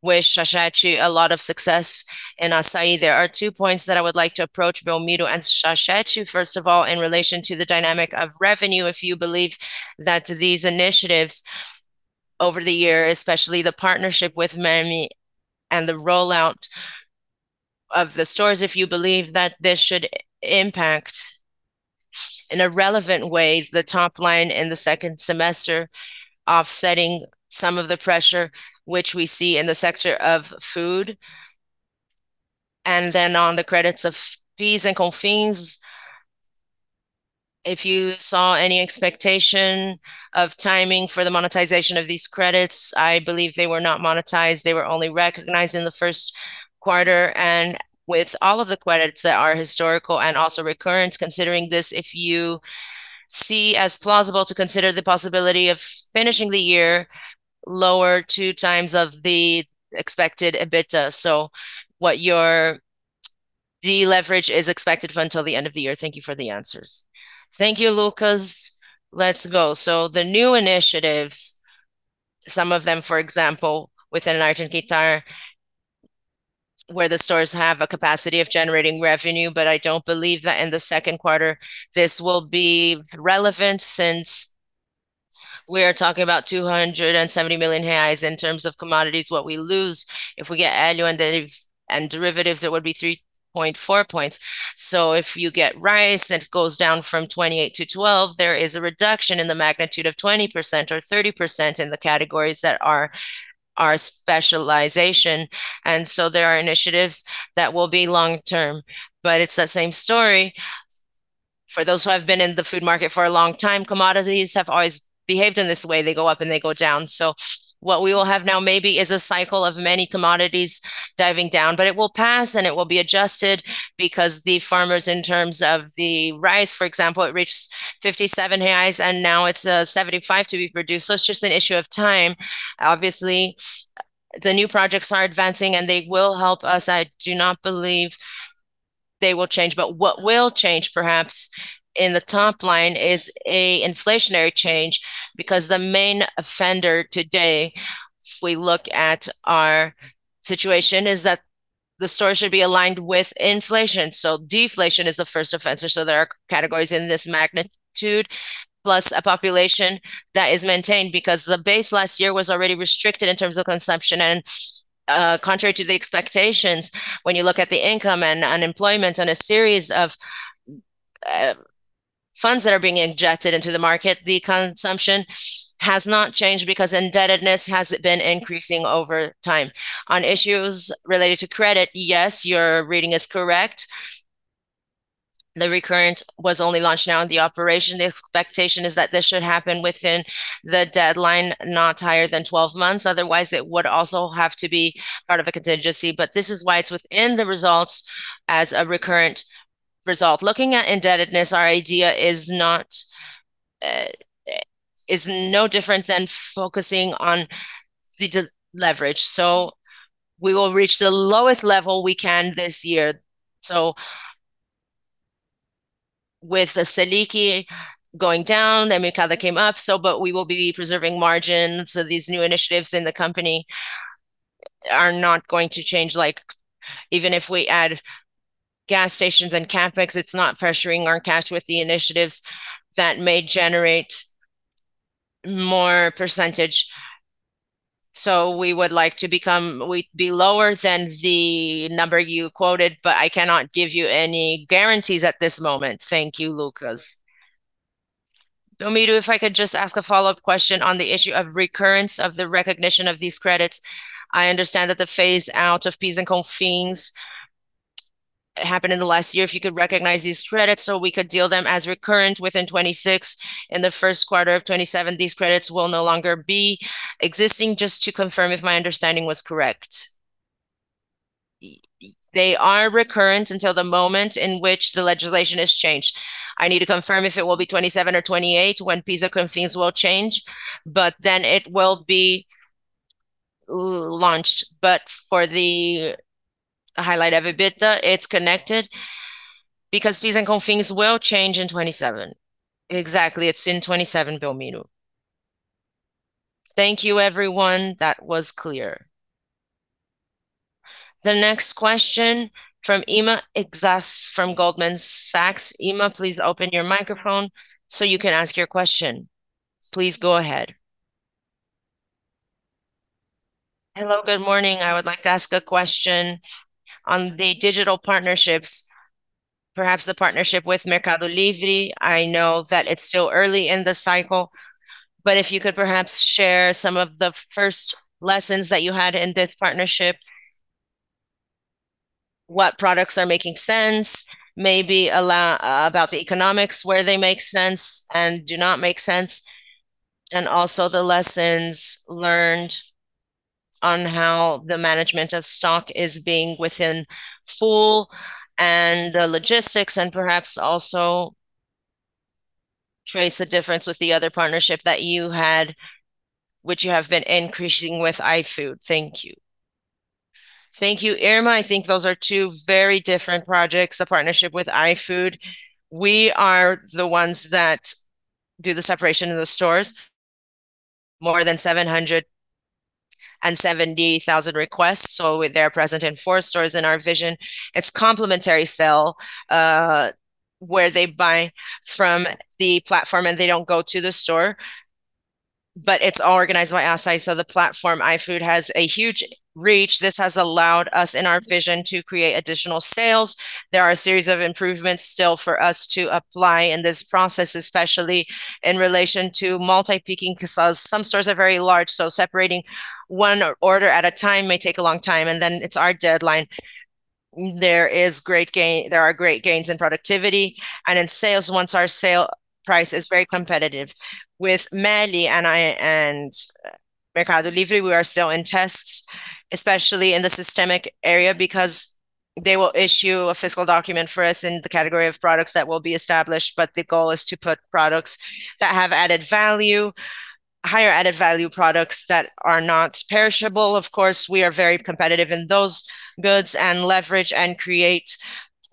wish Sachete a lot of success in Assaí. There are two points that I would like to approach Belmiro and Sachete. First of all, in relation to the dynamic of revenue, if you believe that these initiatives over the year, especially the partnership with Meli and the rollout of the stores, if you believe that this should impact in a relevant way the top line in the second semester, offsetting some of the pressure which we see in the sector of food. On the credits of PIS and COFINS. If you saw any expectation of timing for the monetization of these credits, I believe they were not monetized. They were only recognized in the first quarter. With all of the credits that are historical and also recurrent, considering this, if you see as plausible to consider the possibility of finishing the year lower 2x of the expected EBITDA. What your deleverage is expected for until the end of the year. Thank you for the answers. Thank you, Lucas. Let's go. The new initiatives, some of them, for example, within [Argentitar], where the stores have a capacity of generating revenue, but I don't believe that in the second quarter this will be relevant since we're talking about 270 million reais in terms of commodities. What we lose if we get annual and derivatives, it would be 3.4 percentage points. If you get rice and it goes down from 28 to 12, there is a reduction in the magnitude of 20% or 30% in the categories that are our specialization. There are initiatives that will be long-term. It's that same story for those who have been in the food market for a long time, commodities have always behaved in this way. They go up, and they go down. What we will have now maybe is a cycle of many commodities diving down, but it will pass, and it will be adjusted because the farmers in terms of the rice, for example, it reached 57 reais, and now it's 75 to be produced. It's just an issue of time. Obviously, the new projects are advancing, and they will help us. I do not believe they will change. What will change perhaps in the top line is a inflationary change because the main offender today, if we look at our situation, is that the store should be aligned with inflation. Deflation is the first offense. There are categories in this magnitude plus a population that is maintained because the base last year was already restricted in terms of consumption. Contrary to the expectations, when you look at the income and unemployment and a series of funds that are being injected into the market, the consumption has not changed because indebtedness has been increasing over time. On issues related to credit, yes, your reading is correct. The recurrent was only launched now in the operation. The expectation is that this should happen within the deadline, not higher than 12 months. Otherwise, it would also have to be part of a contingency. This is why it's within the results as a recurrent result. Looking at indebtedness, our idea is not, is no different than focusing on the de- leverage. We will reach the lowest level we can this year. With the SELIC going down, the market came up, but we will be preserving margins. These new initiatives in the company are not going to change, like even if we add gas stations and CapEx, it's not pressuring our cash with the initiatives that may generate more percentage. We'd be lower than the number you quoted, but I cannot give you any guarantees at this moment. Thank you, Lucas. Belmiro, if I could just ask a follow-up question on the issue of recurrence of the recognition of these credits. I understand that the phase-out of PIS and COFINS happened in the last year. If you could recognize these credits, so we could deal them as recurrent within 2026. In the first quarter of 2027, these credits will no longer be existing. Just to confirm if my understanding was correct. They are recurrent until the moment in which the legislation is changed. I need to confirm if it will be 2027 or 2028 when PIS or COFINS will change, then it will be launched. For the highlight of EBITDA, it's connected because PIS and COFINS will change in 2027. Exactly. It's in 2027, Belmiro. Thank you, everyone. That was clear. The next question from Irma Sgarz from Goldman Sachs. Irma, please open your microphone so you can ask your question. Please go ahead. Hello, good morning. I would like to ask a question on the digital partnerships, perhaps the partnership with Mercado Livre. I know that it's still early in the cycle, If you could perhaps share some of the first lessons that you had in this partnership, what products are making sense, maybe about the economics, where they make sense and do not make sense, and also the lessons learned on how the management of stock is being within Fulfillment and the logistics, and perhaps also trace the difference with the other partnership that you had, which you have been increasing with iFood. Thank you. Thank you, Irma. I think those are two very different projects. The partnership with iFood, we are the ones that do the separation in the stores. More than 770,000 requests. They're present in four stores. In our vision, it's complementary sell, where they buy from the platform, and they don't go to the store, but it's organized by Assaí. The platform iFood has a huge reach. This has allowed us in our vision to create additional sales. There are a series of improvements still for us to apply in this process, especially in relation to multi-picking. Some stores are very large, so separating one order at a time may take a long time, and then it's our deadline. There are great gains in productivity and in sales once our sale price is very competitive. Meli and I and Mercado Livre, we are still in tests, especially in the systemic area, because they will issue a fiscal document for us in the category of products that will be established, but the goal is to put products that have added value, higher added value products that are not perishable. We are very competitive in those goods and leverage and create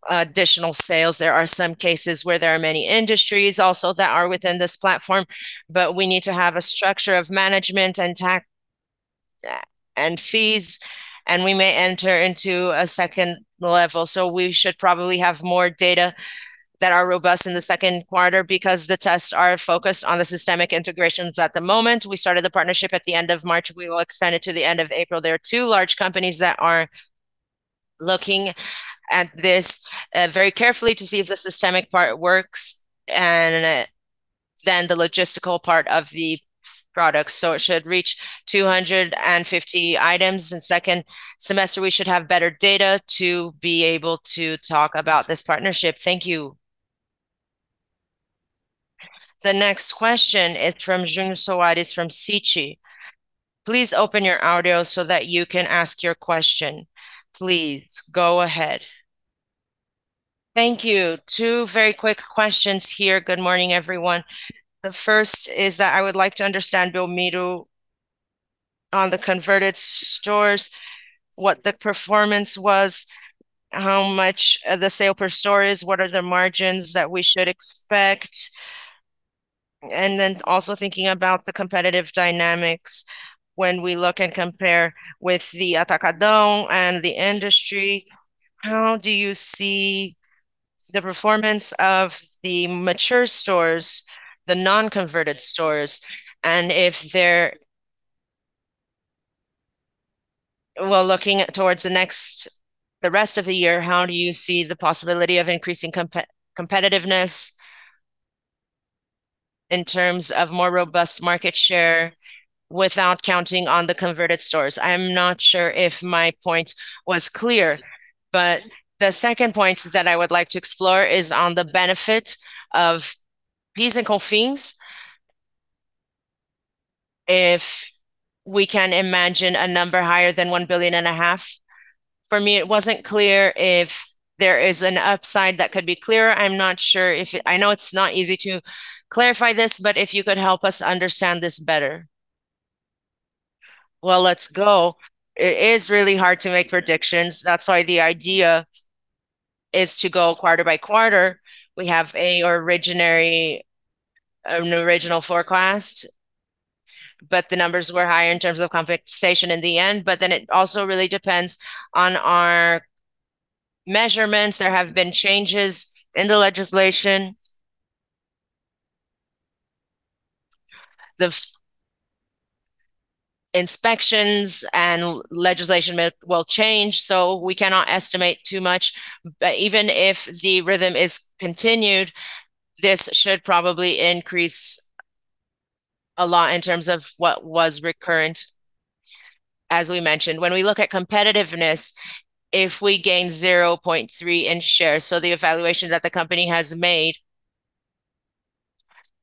additional sales. There are some cases where there are many industries also that are within this platform, but we need to have a structure of management and fees, and we may enter into a second level. We should probably have more data that are robust in the second quarter because the tests are focused on the systemic integrations at the moment. We started the partnership at the end of March. We will extend it to the end of April. There are two large companies that are looking at this very carefully to see if the systemic part works and then the logistical part of the products. It should reach 250 items. In second semester, we should have better data to be able to talk about this partnership. Thank you. The next question is from João Soares from Citi. Please open your audio so that you can ask your question. Please go ahead. Thank you. Two very quick questions here. Good morning, everyone. The first is that I would like to understand, Belmiro, on the converted stores, what the performance was, how much the sale per store is, what are the margins that we should expect? Also thinking about the competitive dynamics when we look and compare with the Atacadão and the industry, how do you see the performance of the mature stores, the non-converted stores? If they're. Well, looking towards the rest of the year, how do you see the possibility of increasing competitiveness in terms of more robust market share without counting on the converted stores? I'm not sure if my point was clear, but the second point that I would like to explore is on the benefit of PIS and COFINS. If we can imagine a number higher than 1.5 billion. For me, it wasn't clear if there is an upside that could be clearer. I'm not sure if. I know it's not easy to clarify this, but if you could help us understand this better. Well, let's go. It is really hard to make predictions. The idea is to go quarter by quarter. We have an original forecast, but the numbers were higher in terms of confiscation in the end. It also really depends on our measurements. There have been changes in the legislation. The inspections and legislation will change, so we cannot estimate too much. Even if the rhythm is continued, this should probably increase a lot in terms of what was recurrent, as we mentioned. When we look at competitiveness, if we gain 0.3% in share, the evaluation that the company has made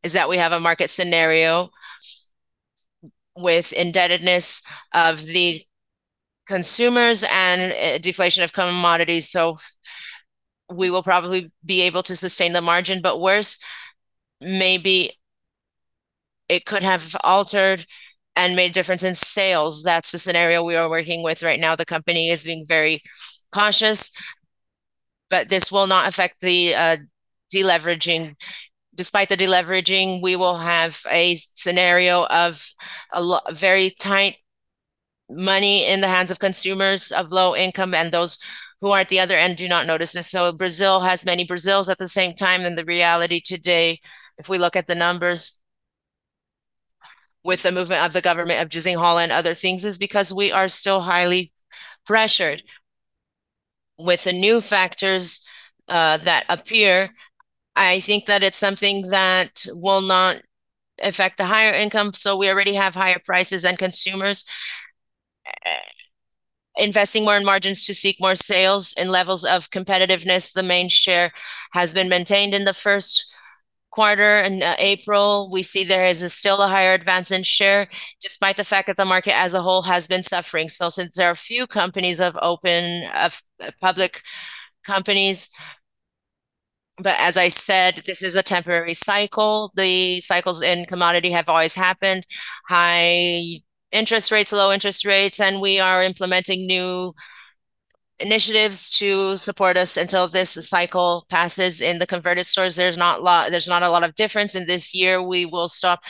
is that we have a market scenario with indebtedness of the consumers and deflation of commodities, we will probably be able to sustain the margin. Worse, maybe it could have altered and made a difference in sales. That's the scenario we are working with right now. The company is being very cautious, but this will not affect the deleveraging. Despite the deleveraging, we will have a scenario of a very tight money in the hands of consumers of low income and those who are at the other end do not notice this. Brazil has many Brazils at the same time, and the reality today, if we look at the numbers with the movement of the government, of Desenrola and other things, is because we are still highly pressured. With the new factors that appear, I think that it's something that will not affect the higher income, we already have higher prices and consumers investing more in margins to seek more sales and levels of competitiveness. The main share has been maintained in the first quarter. In April, we see there is still a higher advance in share, despite the fact that the market as a whole has been suffering. Since there are few companies of public companies. As I said, this is a temporary cycle. The cycles in commodity have always happened. High interest rates, low interest rates, and we are implementing new initiatives to support us until this cycle passes. In the converted stores, there's not a lot of difference. In this year, we will stop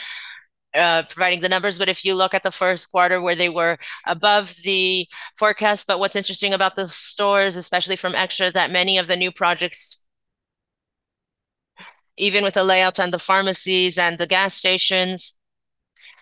providing the numbers. If you look at the first quarter where they were above the forecast. What's interesting about the stores, especially from Extra, that many of the new projects, even with the layouts and the pharmacies and the gas stations,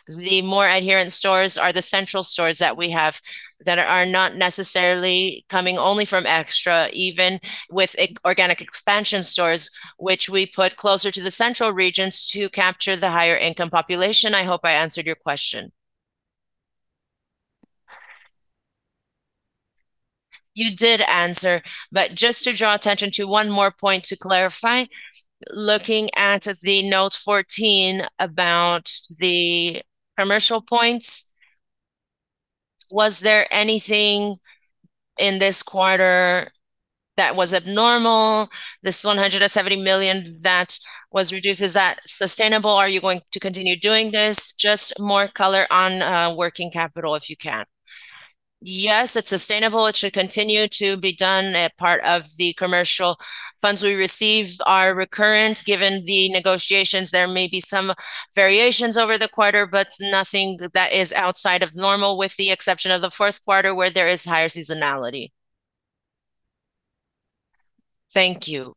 the more adherent stores are the central stores that we have that are not necessarily coming only from Extra, even with organic expansion stores, which we put closer to the central regions to capture the higher income population. I hope I answered your question. You did answer, but just to draw attention to one more point to clarify. Looking at the note 14 about the commercial points, was there anything in this quarter that was abnormal? This 170 million that was reduced, is that sustainable? Are you going to continue doing this? Just more color on working capital, if you can. Yes, it's sustainable. It should continue to be done. A part of the commercial funds we receive are recurrent. Given the negotiations, there may be some variations over the quarter, but nothing that is outside of normal, with the exception of the fourth quarter, where there is higher seasonality. Thank you.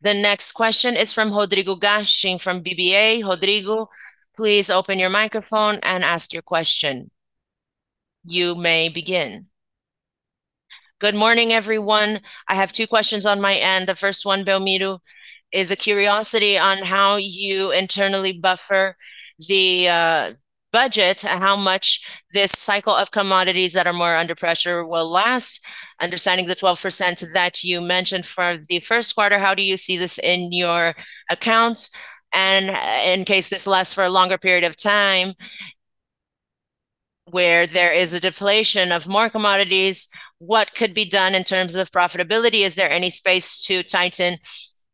The next question is from Rodrigo Gastim from BBA. Rodrigo, please open your microphone and ask your question. You may begin. Good morning, everyone. I have two questions on my end. The first one, Belmiro, is a curiosity on how you internally buffer the budget, how much this cycle of commodities that are more under pressure will last. Understanding the 12% that you mentioned for the first quarter, how do you see this in your accounts? In case this lasts for a longer period of time, where there is a deflation of more commodities, what could be done in terms of profitability? Is there any space to tighten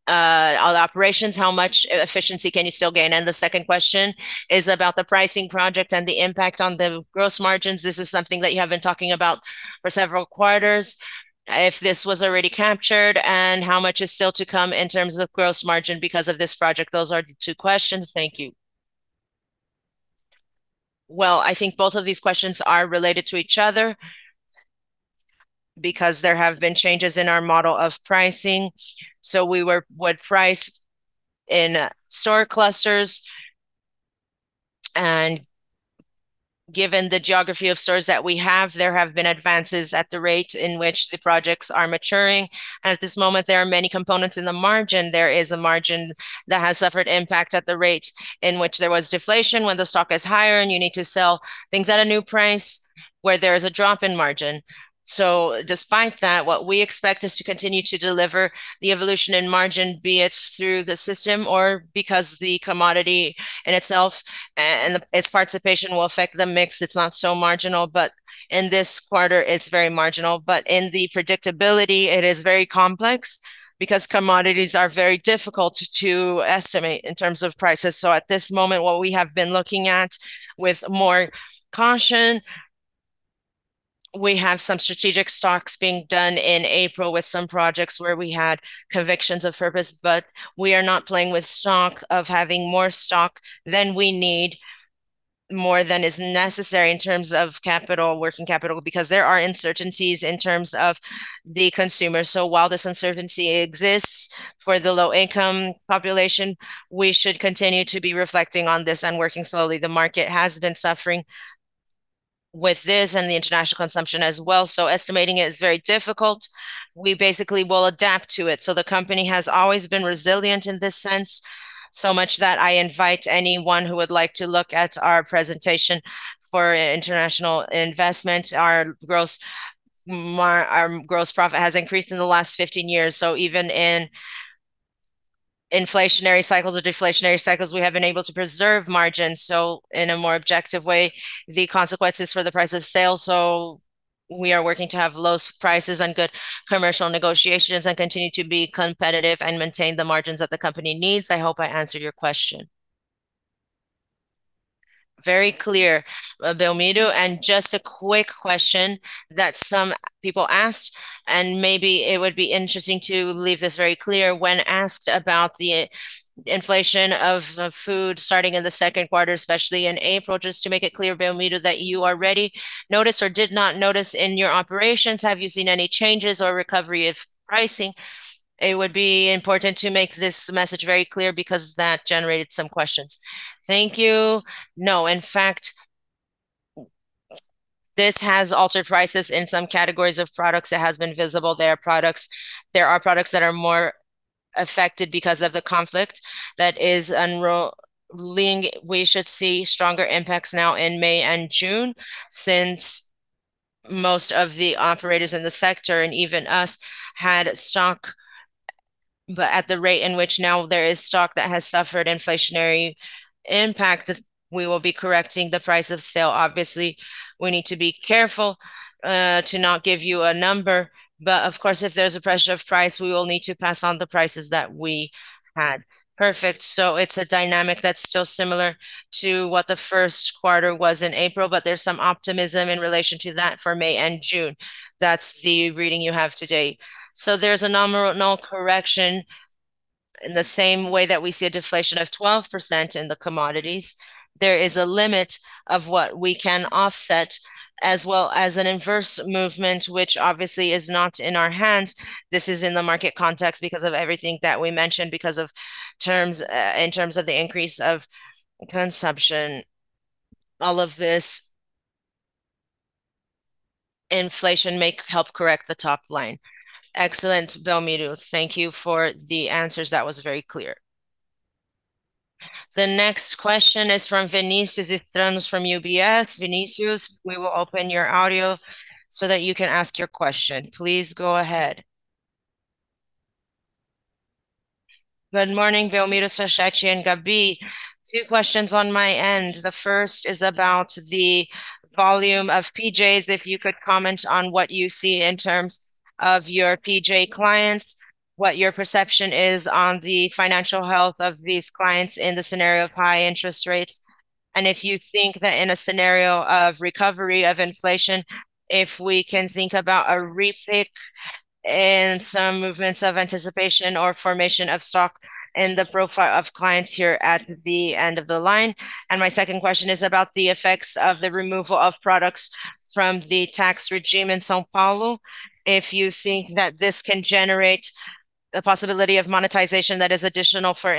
all operations? How much efficiency can you still gain? The second question is about the pricing project and the impact on the gross margins. This is something that you have been talking about for several quarters. If this was already captured, and how much is still to come in terms of gross margin because of this project? Those are the two questions. Thank you. I think both of these questions are related to each other because there have been changes in our model of pricing. We would price in store clusters, and given the geography of stores that we have, there have been advances at the rate in which the projects are maturing. At this moment, there are many components in the margin. There is a margin that has suffered impact at the rate in which there was deflation when the stock is higher, and you need to sell things at a new price where there is a drop in margin. Despite that, what we expect is to continue to deliver the evolution in margin, be it through the system or because the commodity in itself and its participation will affect the mix. It's not so marginal, in this quarter it's very marginal. In the predictability, it is very complex because commodities are very difficult to estimate in terms of prices. At this moment, what we have been looking at with more caution, we have some strategic stocks being done in April with some projects where we had convictions of purpose, but we are not playing with stock, of having more stock than we need, more than is necessary in terms of capital, working capital, because there are uncertainties in terms of the consumer. While this uncertainty exists for the low-income population, we should continue to be reflecting on this and working slowly. The market has been suffering with this and the international consumption as well, so estimating it is very difficult. We basically will adapt to it. The company has always been resilient in this sense, so much that I invite anyone who would like to look at our presentation for international investment. Our gross profit has increased in the last 15 years. Even in inflationary cycles or deflationary cycles, we have been able to preserve margins. In a more objective way, the consequences for the price of sale, so we are working to have low prices and good commercial negotiations and continue to be competitive and maintain the margins that the company needs. I hope I answered your question. Very clear, Belmiro. Just a quick question that some people asked, and maybe it would be interesting to leave this very clear. When asked about the inflation of food starting in the second quarter, especially in April, just to make it clear, Belmiro, that you already noticed or did not notice in your operations. Have you seen any changes or recovery of pricing? It would be important to make this message very clear because that generated some questions. Thank you. No. In fact, this has altered prices in some categories of products. It has been visible. There are products that are more affected because of the conflict that is unrolling. We should see stronger impacts now in May and June since most of the operators in the sector, and even us, had stock, but at the rate in which now there is stock that has suffered inflationary impact, we will be correcting the price of sale. Obviously, we need to be careful to not give you a number, but of course, if there's a pressure of price, we will need to pass on the prices that we had. Perfect. It's a dynamic that's still similar to what the first quarter was in April, but there's some optimism in relation to that for May and June. That's the reading you have today. There's a nominal correction in the same way that we see a deflation of 12% in the commodities. There is a limit of what we can offset as well as an inverse movement, which obviously is not in our hands. This is in the market context because of everything that we mentioned, because of terms, in terms of the increase of consumption, all of this. Inflation may help correct the top line. Excellent, Belmiro. Thank you for the answers. That was very clear. The next question is from Vinícius Strano from UBS. Vinícius, we will open your audio so that you can ask your question. Please go ahead. Good morning, Belmiro, Rafael Sachete, and Gabrielle Helú. Two questions on my end. The first is about the volume of PJs. If you could comment on what you see in terms of your PJ clients, what your perception is on the financial health of these clients in the scenario of high interest rates, and if you think that in a scenario of recovery of inflation, if we can think about a repique and some movements of anticipation or formation of stock in the profile of clients here at the end of the line. My second question is about the effects of the removal of products from the tax regime in São Paulo. If you think that this can generate the possibility of monetization that is additional for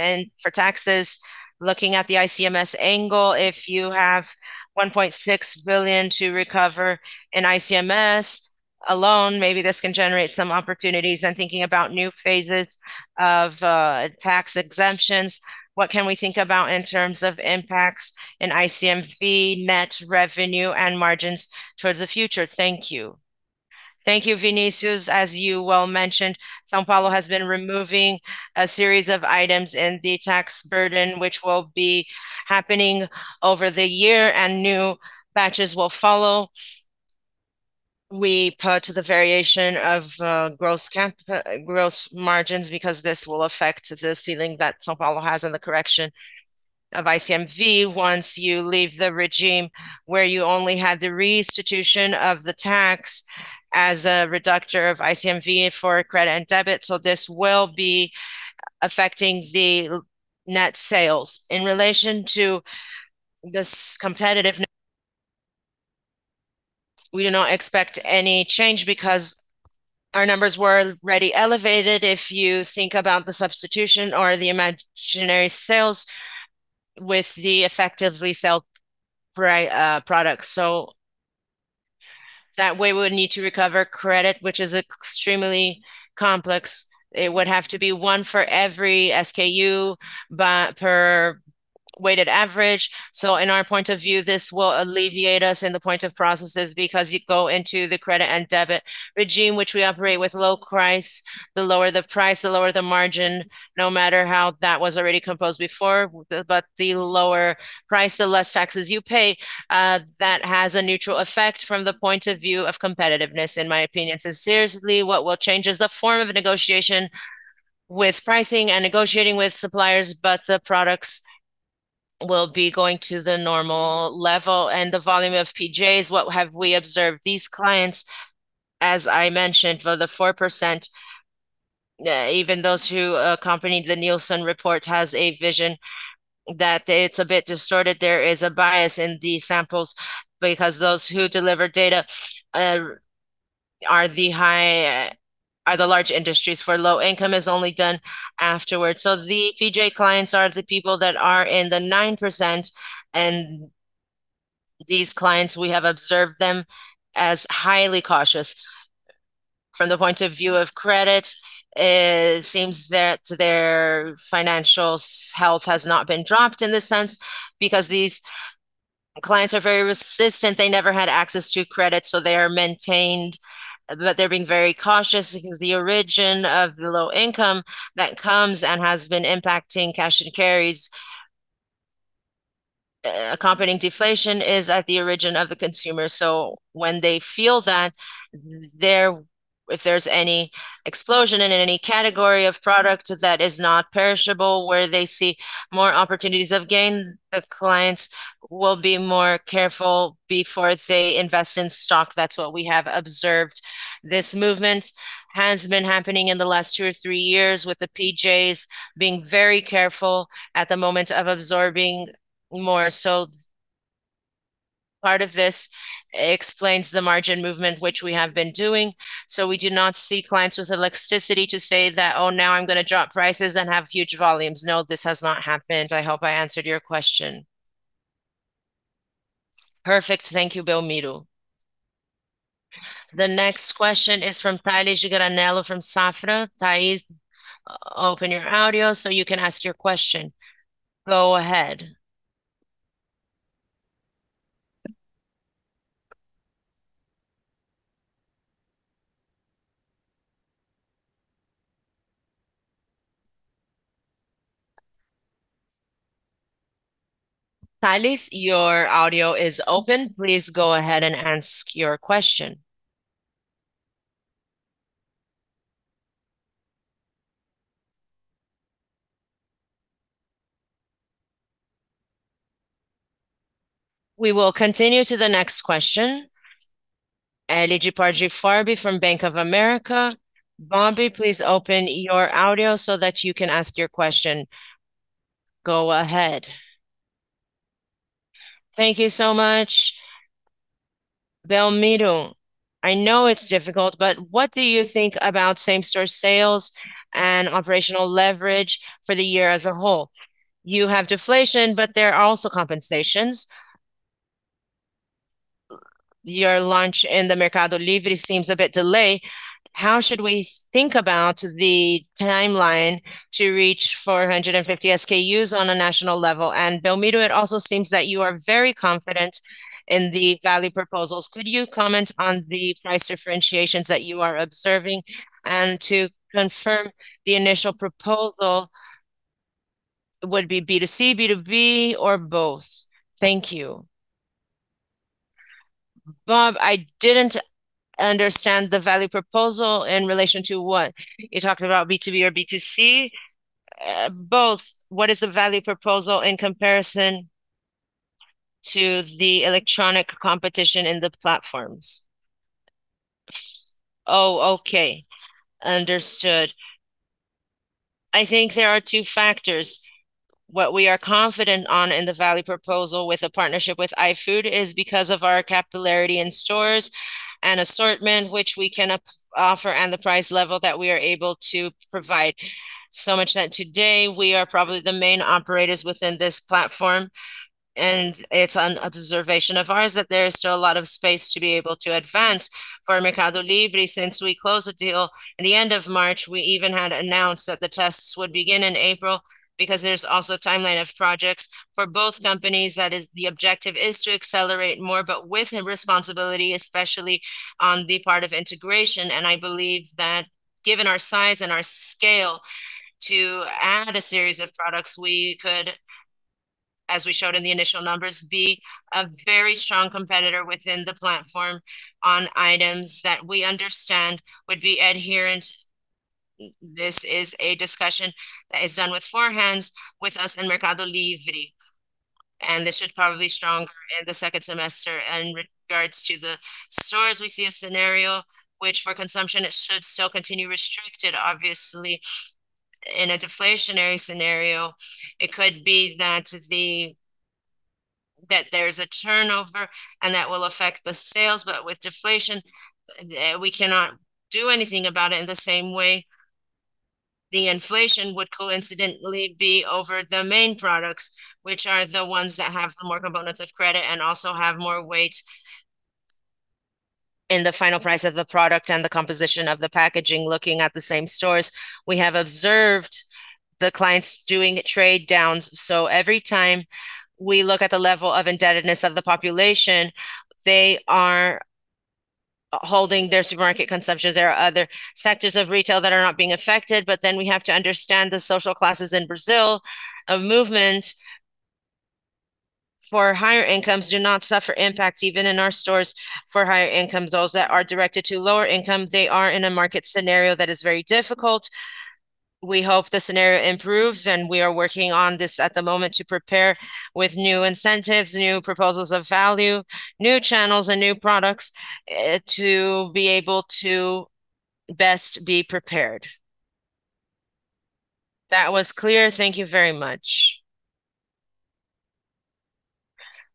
taxes. Looking at the ICMS angle, if you have 1.6 billion to recover in ICMS alone, maybe this can generate some opportunities in thinking about new phases of tax exemptions. What can we think about in terms of impacts in ICMS net revenue and margins towards the future? Thank you. Thank you, Vinícius. As you well mentioned, São Paulo has been removing a series of items in the tax burden, which will be happening over the year, and new batches will follow. We point to the variation of gross margins because this will affect the ceiling that São Paulo has in the correction of ICMS once you leave the regime where you only had the restitution of the tax as a reductor of ICMS for credit and debit. This will be affecting the net sales. In relation to this competitiveness, we do not expect any change because our numbers were already elevated if you think about the substitution or the imaginary sales with the effectively sale products. That way we would need to recover credit, which is extremely complex. It would have to be one for every SKU, but per weighted average. In our point of view, this will alleviate us in the point of processes because you go into the credit and debit regime, which we operate with low price. The lower the price, the lower the margin, no matter how that was already composed before. The lower price, the less taxes you pay. That has a neutral effect from the point of view of competitiveness, in my opinion. Seriously, what will change is the form of negotiation with pricing and negotiating with suppliers, but the products will be going to the normal level. The volume of PJs, what have we observed? These clients, as I mentioned, for the 4%, even those who accompanied the Nielsen report, has a vision that it's a bit distorted. There is a bias in these samples because those who deliver data, are the high, are the large industries, for low income is only done afterwards. The PJ clients are the people that are in the 9%, and these clients, we have observed them as highly cautious. From the point of view of credit, it seems that their financial health has not been dropped in this sense because these clients are very resistant. They never had access to credit, so they are maintained. They are being very cautious because the origin of the low income that comes and has been impacting cash and carries, accompanying deflation, is at the origin of the consumer. When they feel that there, if there is any explosion in any category of product that is not perishable where they see more opportunities of gain, the clients will be more careful before they invest in stock. That is what we have observed. This movement has been happening in the last two or three years with the PJs being very careful at the moment of absorbing more. Part of this explains the margin movement which we have been doing. We do not see clients with the elasticity to say that, "Oh, now I am gonna drop prices and have huge volumes." No, this has not happened. I hope I answered your question. Perfect. Thank you, Belmiro. The next question is from Tales Granello from Safra. Tales, open your audio so you can ask your question. Go ahead. Tales, your audio is open. Please go ahead and ask your question. We will continue to the next question. Robert Ford from Bank of America. Bobby, please open your audio so that you can ask your question. Go ahead. Thank you so much. Belmiro, I know it's difficult, but what do you think about same-store sales and operational leverage for the year as a whole? You have deflation, but there are also compensations. Your launch in the Mercado Livre seems a bit delay. How should we think about the timeline to reach 450 SKUs on a national level? Belmiro, it also seems that you are very confident in the value proposals. Could you comment on the price differentiations that you are observing? To confirm the initial proposal, would it be B2C, B2B, or both? Thank you. Bob, I didn't understand the value proposal in relation to what. You're talking about B2B or B2C? Both. What is the value proposal in comparison to the electronic competition in the platforms? Okay. Understood. I think there are two factors. What we are confident on in the value proposal with a partnership with iFood is because of our capillarity in stores and assortment which we can offer, and the price level that we are able to provide. Much that today we are probably the main operators within this platform, and it's an observation of ours that there is still a lot of space to be able to advance for Mercado Livre. Since we closed the deal in the end of March, we even had announced that the tests would begin in April because there's also a timeline of projects for both companies. That is, the objective is to accelerate more, but with a responsibility, especially on the part of integration. I believe that given our size and our scale to add a series of products, we could, as we showed in the initial numbers, be a very strong competitor within the platform on items that we understand would be adherent. This is a discussion that is done with four-hands with us and Mercado Livre, and this should probably be stronger in the second semester. In regards to the stores, we see a scenario which for consumption it should still continue restricted. Obviously, in a deflationary scenario, it could be that there's a turnover, and that will affect the sales. With deflation, we cannot do anything about it. In the same way, the inflation would coincidentally be over the main products, which are the ones that have the more components of credit and also have more weight in the final price of the product and the composition of the packaging. Looking at the same stores, we have observed the clients doing trade downs. Every time we look at the level of indebtedness of the population, they are holding their supermarket consumptions. There are other sectors of retail that are not being affected, but then we have to understand the social classes in Brazil. A movement for higher incomes do not suffer impacts even in our stores for higher income. Those that are directed to lower income, they are in a market scenario that is very difficult. We hope the scenario improves, and we are working on this at the moment to prepare with new incentives, new proposals of value, new channels, and new products to be able to best be prepared. That was clear. Thank you very much.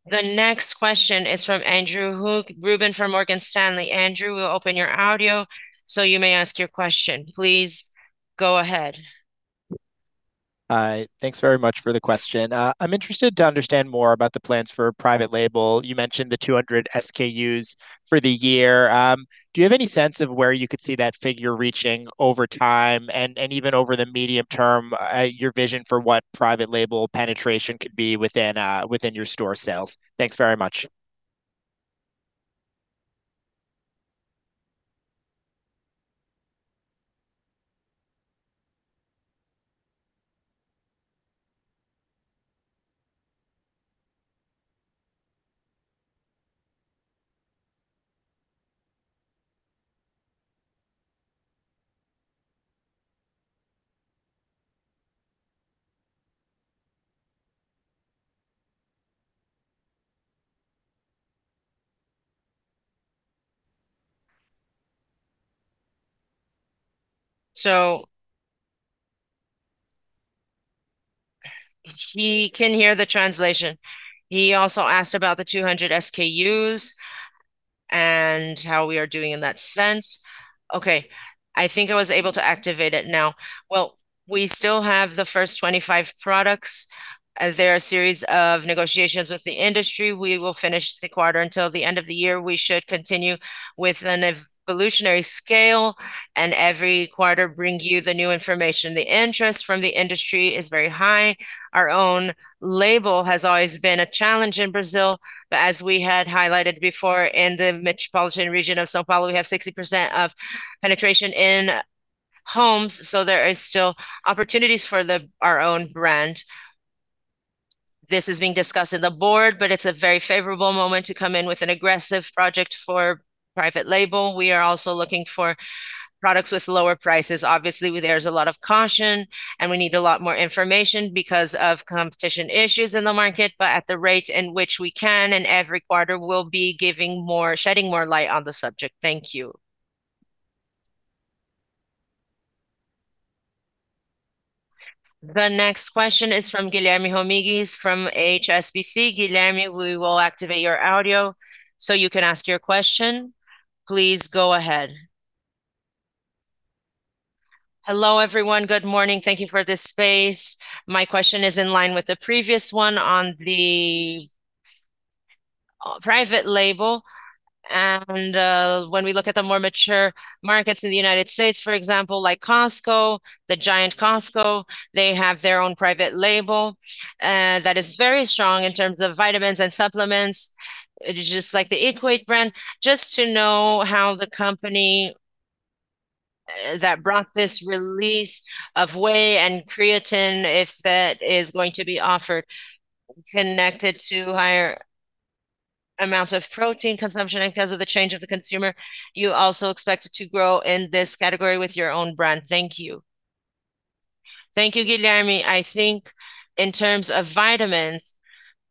The next question is from Andrew Ruben from Morgan Stanley. Andrew, we'll open your audio so you may ask your question. Please go ahead. Hi. Thanks very much for the question. I'm interested to understand more about the plans for private label. You mentioned the 200 SKUs for the year. Do you have any sense of where you could see that figure reaching over time and even over the medium term, your vision for what private label penetration could be within your store sales? Thanks very much. He can hear the translation. He also asked about the 200 SKUs and how we are doing in that sense. Okay. I think I was able to activate it now. We still have the first 25 products. There are a series of negotiations with the industry. We will finish the quarter. Until the end of the year, we should continue with an evolutionary scale, and every quarter bring you the new information. The interest from the industry is very high. Our own label has always been a challenge in Brazil, but as we had highlighted before, in the metropolitan region of São Paulo, we have 60% of penetration in homes, so there is still opportunities for our own brand. This is being discussed in the board, but it's a very favorable moment to come in with an aggressive project for private label. We are also looking for products with lower prices. Obviously, there's a lot of caution, and we need a lot more information because of competition issues in the market. At the rate in which we can, in every quarter we'll be shedding more light on the subject. Thank you. The next question is from Guilherme Domingues from HSBC. Guilherme, we will activate your audio so you can ask your question. Please go ahead. Hello, everyone. Good morning. Thank you for this space. My question is in line with the previous one on the private label. When we look at the more mature markets in the U.S., for example, like Costco, the giant Costco, they have their own private label that is very strong in terms of vitamins and supplements. It is just like the Equate brand. Just to know how the company that brought this release of whey and creatine, if that is going to be offered, connected to higher amounts of protein consumption and because of the change of the consumer, you also expect it to grow in this category with your own brand. Thank you. Thank you, Guilherme. I think in terms of vitamins,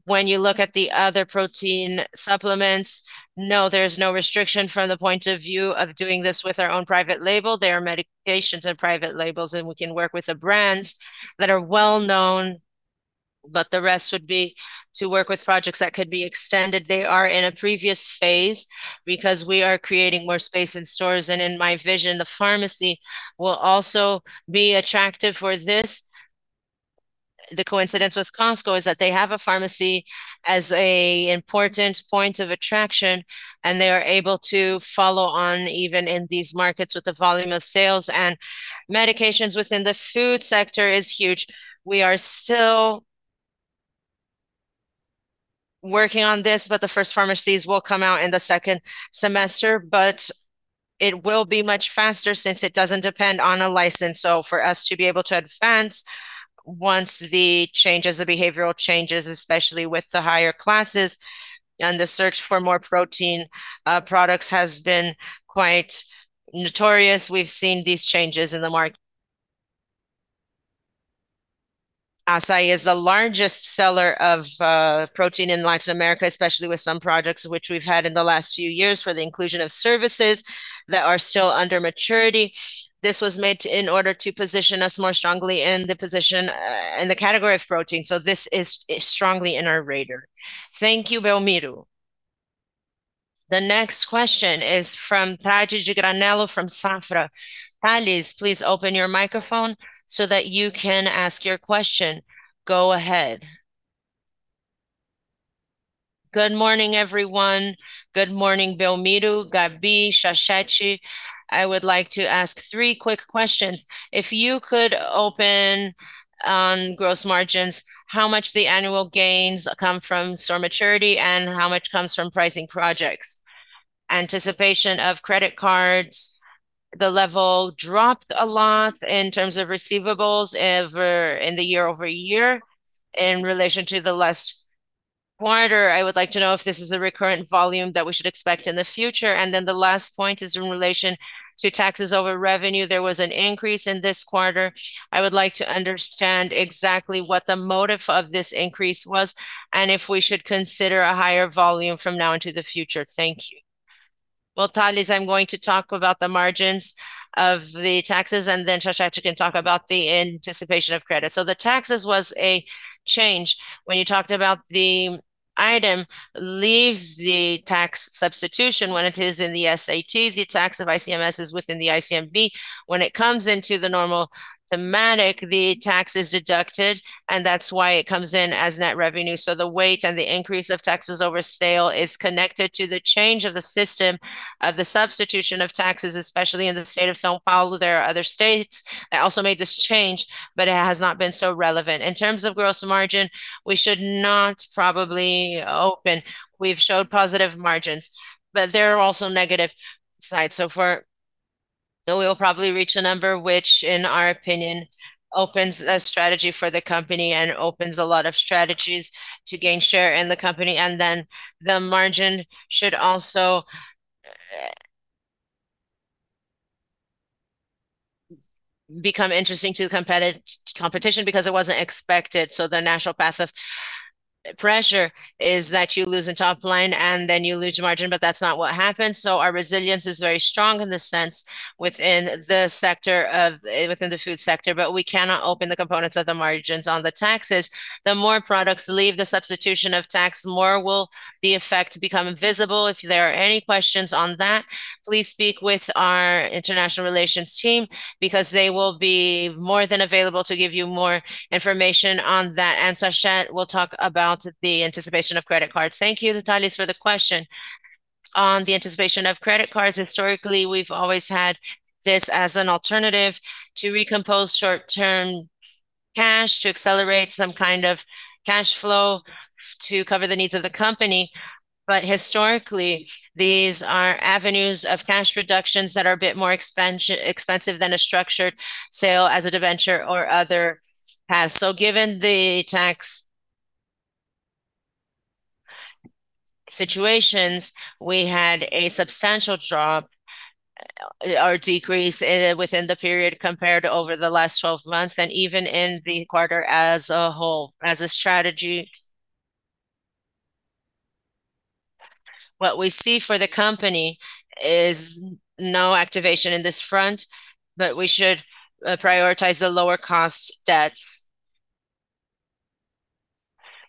when you look at the other protein supplements, no, there's no restriction from the point of view of doing this with our own private label. There are medications and private labels, and we can work with the brands that are well-known, but the rest would be to work with projects that could be extended. They are in a previous phase because we are creating more space in stores, and in my vision, the pharmacy will also be attractive for this. The coincidence with Costco is that they have a pharmacy as a important point of attraction. They are able to follow on even in these markets with the volume of sales. Medications within the food sector is huge. We are still working on this. The first pharmacies will come out in the second semester. It will be much faster since it doesn't depend on a license. For us to be able to advance once the changes, the behavioral changes, especially with the higher classes and the search for more protein products, has been quite notorious. We've seen these changes in the market. Assaí is the largest seller of protein in Latin America, especially with some projects which we've had in the last few years for the inclusion of services that are still under maturity. This was made in order to position us more strongly in the position, in the category of protein. This is strongly in our radar. Thank you, Belmiro. The next question is from Tales Granello from Safra. Tales, please open your microphone so that you can ask your question. Go ahead. Good morning, everyone. Good morning, Belmiro, Gabi, Rafael Sachete. I would like to ask three quick questions. If you could open on gross margins, how much the annual gains come from store maturity and how much comes from pricing projects? Anticipation of credit cards, the level dropped a lot in terms of receivables in the year-over-year in relation to the last quarter. I would like to know if this is a recurrent volume that we should expect in the future. The last point is in relation to taxes over revenue. There was an increase in this quarter. I would like to understand exactly what the motive of this increase was, and if we should consider a higher volume from now into the future. Thank you. Tales, I'm going to talk about the margins of the taxes, and then Sachete can talk about the anticipation of credit. The taxes was a change. When you talked about the item leaves the tax substitution when it is in the ST, the tax of ICMS is within the ICMS. When it comes into the normal thematic, the tax is deducted, and that's why it comes in as net revenue. The weight and the increase of taxes over sale is connected to the change of the system of the substitution of taxes, especially in the state of São Paulo. There are other states that also made this change, it has not been so relevant. In terms of gross margin, we should not probably open. We've showed positive margins, but there are also negative sides. We'll probably reach a number which, in our opinion, opens a strategy for the company and opens a lot of strategies to gain share in the company, and then the margin should also become interesting to the competition because it wasn't expected. The natural path of pressure is that you lose in top line, and then you lose your margin, but that's not what happened. Our resilience is very strong in the sense within the food sector, but we cannot open the components of the margins on the taxes. The more products leave the substitution of tax, more will the effect become visible. If there are any questions on that, please speak with our international relations team because they will be more than available to give you more information on that. Sachete will talk about the anticipation of credit cards. Thank you to Tales for the question. On the anticipation of credit cards, historically, we've always had this as an alternative to recompose short-term cash to accelerate some kind of cash flow to cover the needs of the company. Historically, these are avenues of cash reductions that are a bit more expensive than a structured sale as a debenture or other paths. Given the tax situations, we had a substantial drop or decrease in within the period compared over the last 12 months and even in the quarter as a whole. As a strategy, what we see for the company is no activation in this front, but we should prioritize the lower cost debts.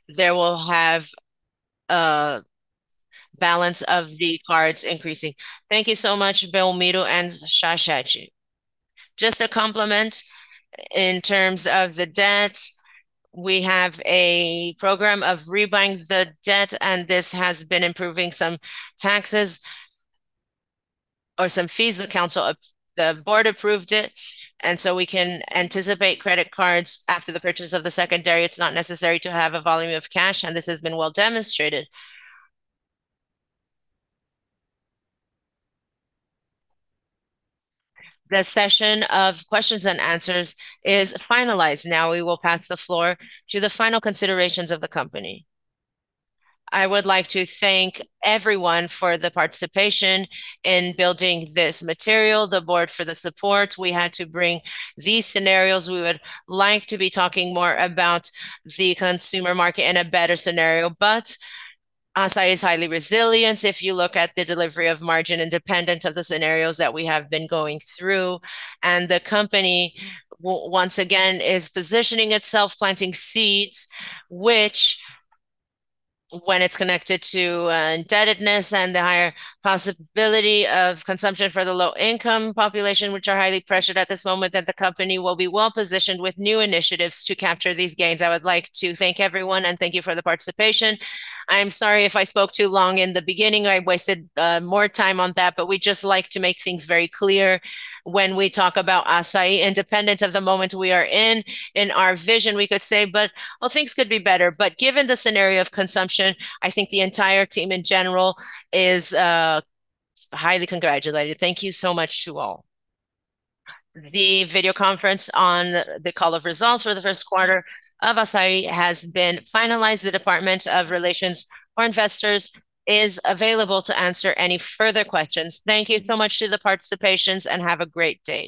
There will have a balance of the cards increasing. Thank you so much, Belmiro and Sachete. Just a compliment in terms of the debt. We have a program of rebuying the debt, and this has been improving some taxes or some fees the board approved it, and so we can anticipate credit cards after the purchase of the secondary. It's not necessary to have a volume of cash, and this has been well demonstrated. The session of questions and answers is finalized. Now we will pass the floor to the final considerations of the company. I would like to thank everyone for the participation in building this material, the board for the support. We had to bring these scenarios. We would like to be talking more about the consumer market in a better scenario. Assaí is highly resilient if you look at the delivery of margin independent of the scenarios that we have been going through. The company once again is positioning itself, planting seeds, which when it's connected to indebtedness and the higher possibility of consumption for the low income population, which are highly pressured at this moment, that the company will be well-positioned with new initiatives to capture these gains. I would like to thank everyone, and thank you for the participation. I'm sorry if I spoke too long in the beginning. I wasted more time on that, but we just like to make things very clear when we talk about Assaí. Independent of the moment we are in our vision, we could say, "Things could be better." Given the scenario of consumption, I think the entire team in general is highly congratulated. Thank you so much to all. The video conference on the call of results for the first quarter of Assaí has been finalized. The Department of Relations for Investors is available to answer any further questions. Thank you so much to the participations, and have a great day.